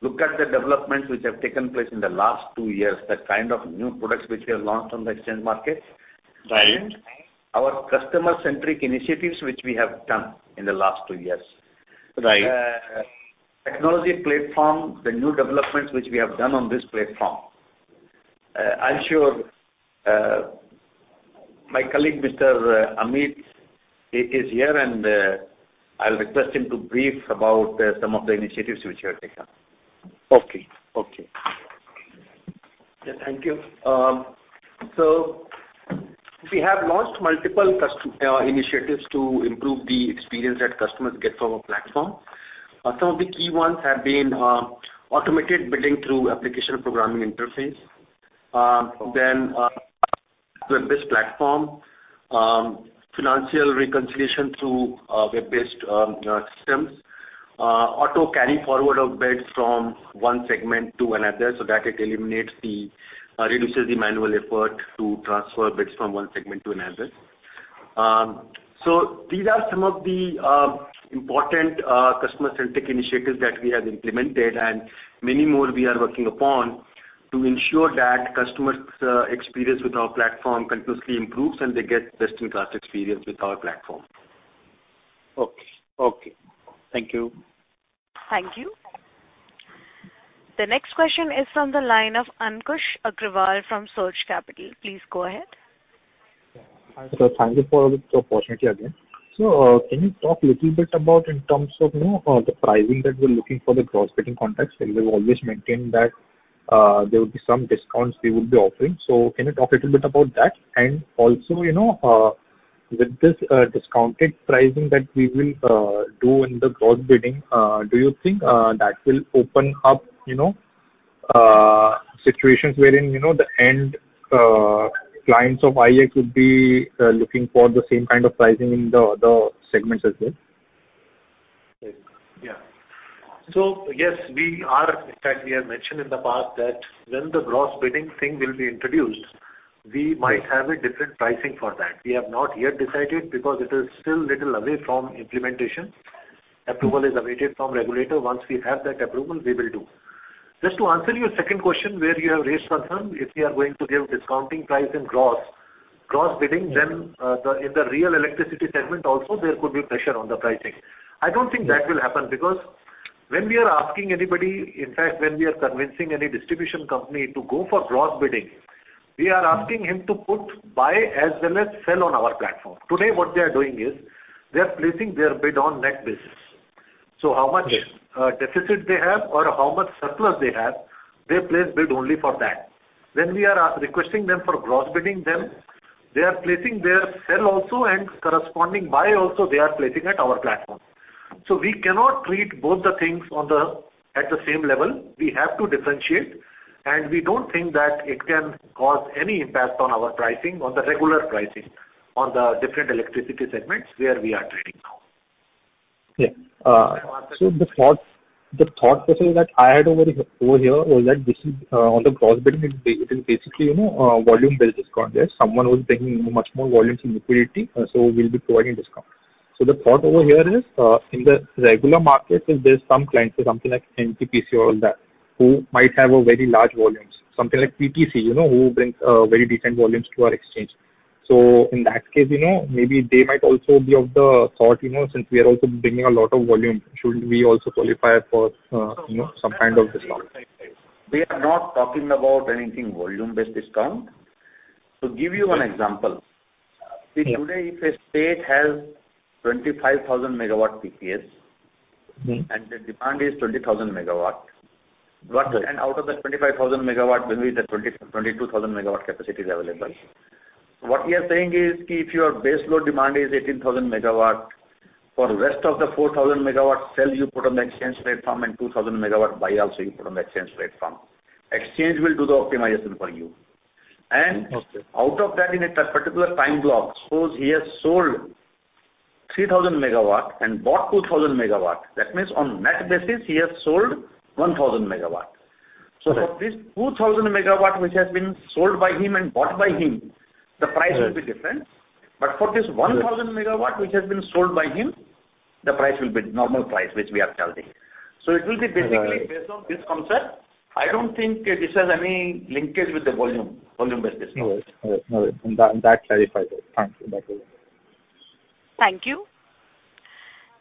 look at the developments which have taken place in the last two years, the kind of new products which we have launched on the Exchange market. Right. Our customer-centric initiatives which we have done in the last two years. Right. Technology platform, the new developments which we have done on this platform. I'm sure my colleague, Mr. Amit Kumar, is here, and I'll request him to brief about some of the initiatives which we have taken. Okay. Okay. Yeah, thank you. We have launched multiple customer initiatives to improve the experience that customers get from our platform. Some of the key ones have been automated bidding through application programming interface. Web-based platform. Financial reconciliation through web-based systems. Auto carry forward of bids from one segment to another so that it reduces the manual effort to transfer bids from one segment to another. These are some of the important customer-centric initiatives that we have implemented and many more we are working upon to ensure that customers experience with our platform continuously improves and they get best-in-class experience with our platform. Okay. Thank you. Thank you. The next question is from the line of Ankush Agrawal from Surge Capital. Please go ahead. Hi, sir. Thank you for the opportunity again. Can you talk little bit about in terms of, you know, the pricing that we're looking for the gross bidding contracts? We've always maintained that, there will be some discounts we would be offering. Can you talk a little bit about that? Also, you know, with this, discounted pricing that we will, do in the gross bidding, do you think, that will open up, you know, situations wherein, you know, the end, clients of IEX would be, looking for the same kind of pricing in the other segments as well? Yeah. Yes, we are. In fact, we have mentioned in the past that when the gross bidding thing will be introduced, we might have a different pricing for that. We have not yet decided because it is still little away from implementation. Approval is awaited from regulator. Once we have that approval, we will do. Just to answer your second question, where you have raised concern, if we are going to give discounted price in gross bidding, then in the retail electricity segment also there could be pressure on the pricing. I don't think that will happen because when we are asking anybody, in fact, when we are convincing any distribution company to go for gross bidding, we are asking him to put buy as well as sell on our platform. Today, what they are doing is, they are placing their bid on net basis. How much? Yes. Deficit they have or how much surplus they have, they place bid only for that. When we are requesting them for gross bidding, then they are placing their sell also and corresponding buy also they are placing at our platform. We cannot treat both the things at the same level. We have to differentiate, and we don't think that it can cause any impact on our pricing, on the regular pricing, on the different electricity segments where we are trading now. The thought process that I had over here was that this is on the gross bidding. It is basically, you know, volume-based discount. There's someone who is taking much more volume, adding to liquidity, so we'll be providing discount. The thought over here is, in the regular market, there's some clients, so something like NTPC or all that, who might have a very large volumes, something like PTC, you know, who brings very decent volumes to our exchange. In that case, you know, maybe they might also be of the thought, you know, since we are also bringing a lot of volume, shouldn't we also qualify for, you know, some kind of discount? We are not talking about anything volume-based discount. To give you one example, see today, if a state has 25,000 MW PPAs Mm-hmm. The demand is 20,000 MW. Okay. Out of the 25,000 MW, 22,000 MW capacity is available. What we are saying is, if your base load demand is 18,000 MW, for rest of the 4,000 MW sell you put on the exchange platform and 2,000 MW buy also you put on the exchange platform. Exchange will do the optimization for you. Okay. Out of that in a particular time block, suppose he has sold 3,000 MW and bought 2,000 MW, that means on net basis he has sold 1,000 MW. Correct. For this 2000 MW which has been sold by him and bought by him, the price will be different. Yes. For this 1,000 MW which has been sold by him, the price will be normal price which we are charging. It will be basically based on this concept. I don't think this has any linkage with the volume-based discount. All right. That clarifies it. Thank you. That's all. Thank you.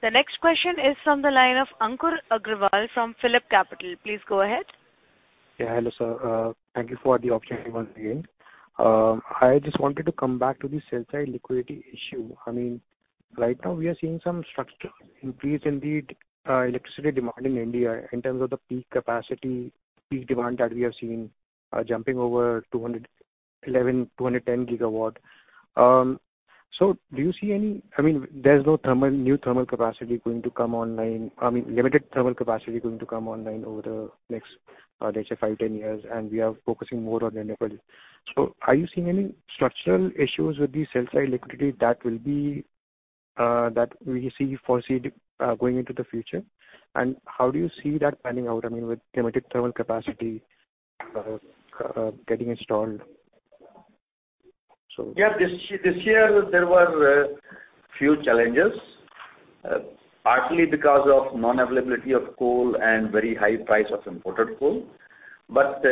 The next question is from the line of Ankur Agrawal from PhillipCapital. Please go ahead. Yeah, hello sir. Thank you for the opportunity once again. I just wanted to come back to the sell-side liquidity issue. I mean, right now we are seeing some structural increase in the electricity demand in India in terms of the peak capacity, peak demand that we have seen, jumping over 210 GW. Do you see any. I mean, there's no thermal, new thermal capacity going to come online. I mean, limited thermal capacity going to come online over the next, let's say five to 10 years, and we are focusing more on the renewables. Are you seeing any structural issues with the sell-side liquidity that will be, that we foresee, going into the future? And how do you see that panning out, I mean, with limited thermal capacity getting installed? This year there were few challenges, partly because of non-availability of coal and very high price of imported coal. It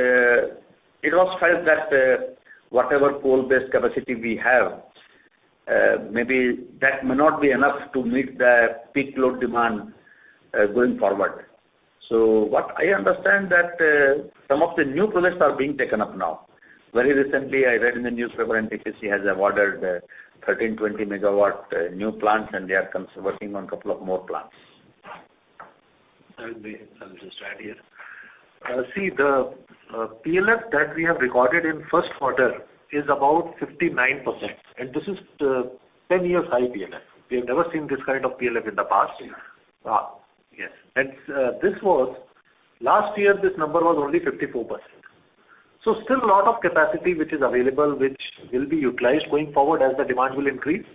was felt that whatever coal-based capacity we have, maybe that may not be enough to meet the peak load demand, going forward. What I understand that some of the new projects are being taken up now. Very recently, I read in the newspaper NTPC has awarded 1,320 MW new plants, and they are working on couple of more plants. I will just add here. See the PLF that we have recorded in first quarter is about 59%, and this is a 10 year high PLF. We have never seen this kind of PLF in the past. Yeah. Yes. Last year this number was only 54%. Still a lot of capacity which is available which will be utilized going forward as the demand will increase.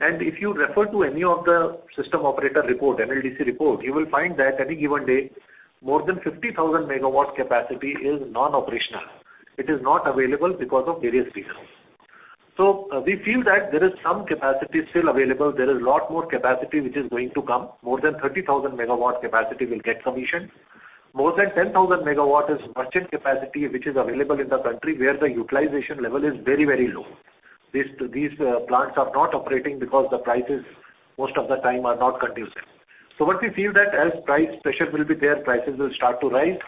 If you refer to any of the system operator report, NLDC report, you will find that any given day more than 50,000 MW capacity is non-operational. It is not available because of various reasons. We feel that there is some capacity still available. There is lot more capacity which is going to come. More than 30,000 MW capacity will get commissioned. More than 10,000 MW is merchant capacity which is available in the country where the utilization level is very, very low. These plants are not operating because the prices most of the time are not conducive. What we feel that as price pressure will be there, prices will start to rise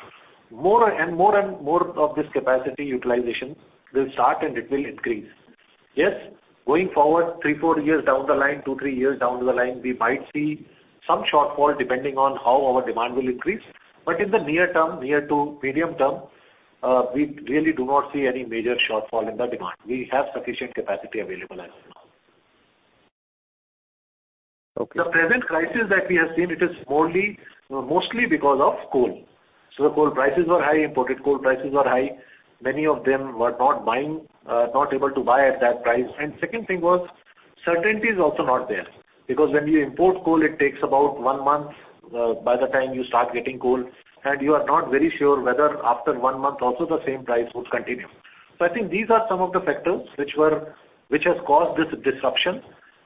more and more of this capacity utilization will start and it will increase. Yes, going forward three, four years down the line, two, three years down the line, we might see some shortfall depending on how our demand will increase. In the near term, near to medium term, we really do not see any major shortfall in the demand. We have sufficient capacity available as of now. Okay. The present crisis that we have seen, it is solely, mostly because of coal. The coal prices were high, imported coal prices were high. Many of them were not buying, not able to buy at that price. Second thing was certainty is also not there. Because when you import coal, it takes about one month, by the time you start getting coal, and you are not very sure whether after one month also the same price would continue. I think these are some of the factors which has caused this disruption.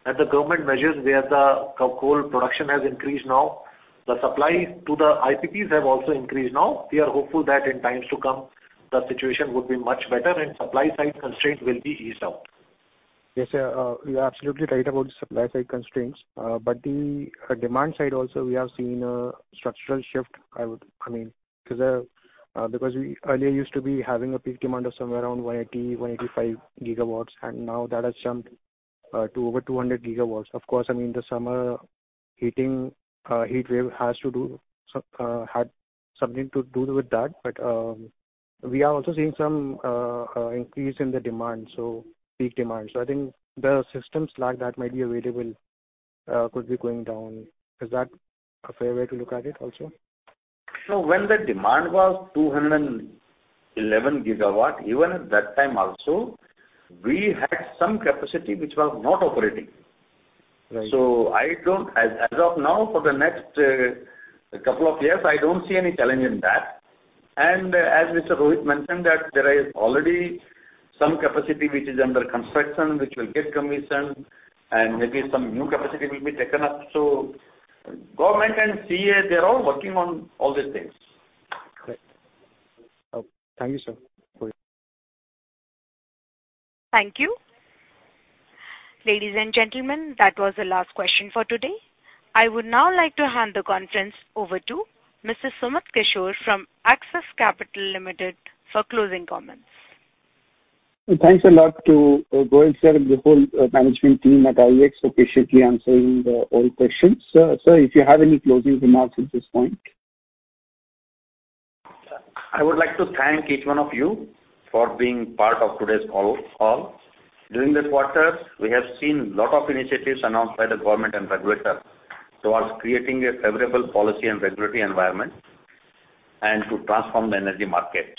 The government measures where the coal production has increased now, the supply to the IPPs have also increased now. We are hopeful that in times to come, the situation would be much better and supply side constraints will be eased out. Yes, sir. You are absolutely right about the supply side constraints. The demand side also we have seen a structural shift, I mean, because we earlier used to be having a peak demand of somewhere around 180 GW-185 GW, and now that has jumped to over 200 GW. Of course, I mean, the summer heat wave had something to do with that. We are also seeing some increase in the demand, so peak demand. I think the system slack that might be available could be going down. Is that a fair way to look at it also? When the demand was 211 GW, even at that time also, we had some capacity which was not operating. Right. I don't as of now, for the next couple of years, I don't see any challenge in that. As Mr. Rohit Bajaj mentioned that there is already some capacity which is under construction, which will get commissioned, and maybe some new capacity will be taken up. Government and CEA, they are all working on all these things. Great. Thank you, sir. Thank you. Ladies and gentlemen, that was the last question for today. I would now like to hand the conference over to Mr. Sumit Kishore from Axis Capital Limited for closing comments. Thanks a lot to Goel, sir, the whole management team at IEX for patiently answering all the questions. Sir, if you have any closing remarks at this point. I would like to thank each one of you for being part of today's call. During this quarter, we have seen lot of initiatives announced by the government and regulator towards creating a favorable policy and regulatory environment and to transform the energy market.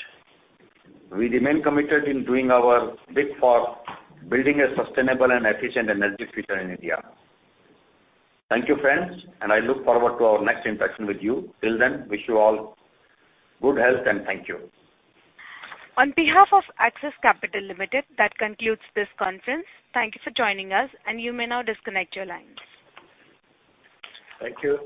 We remain committed in doing our bit for building a sustainable and efficient energy future in India. Thank you, friends, and I look forward to our next interaction with you. Till then, wish you all good health, and thank you. On behalf of Axis Capital Limited, that concludes this conference. Thank you for joining us, and you may now disconnect your lines. Thank you.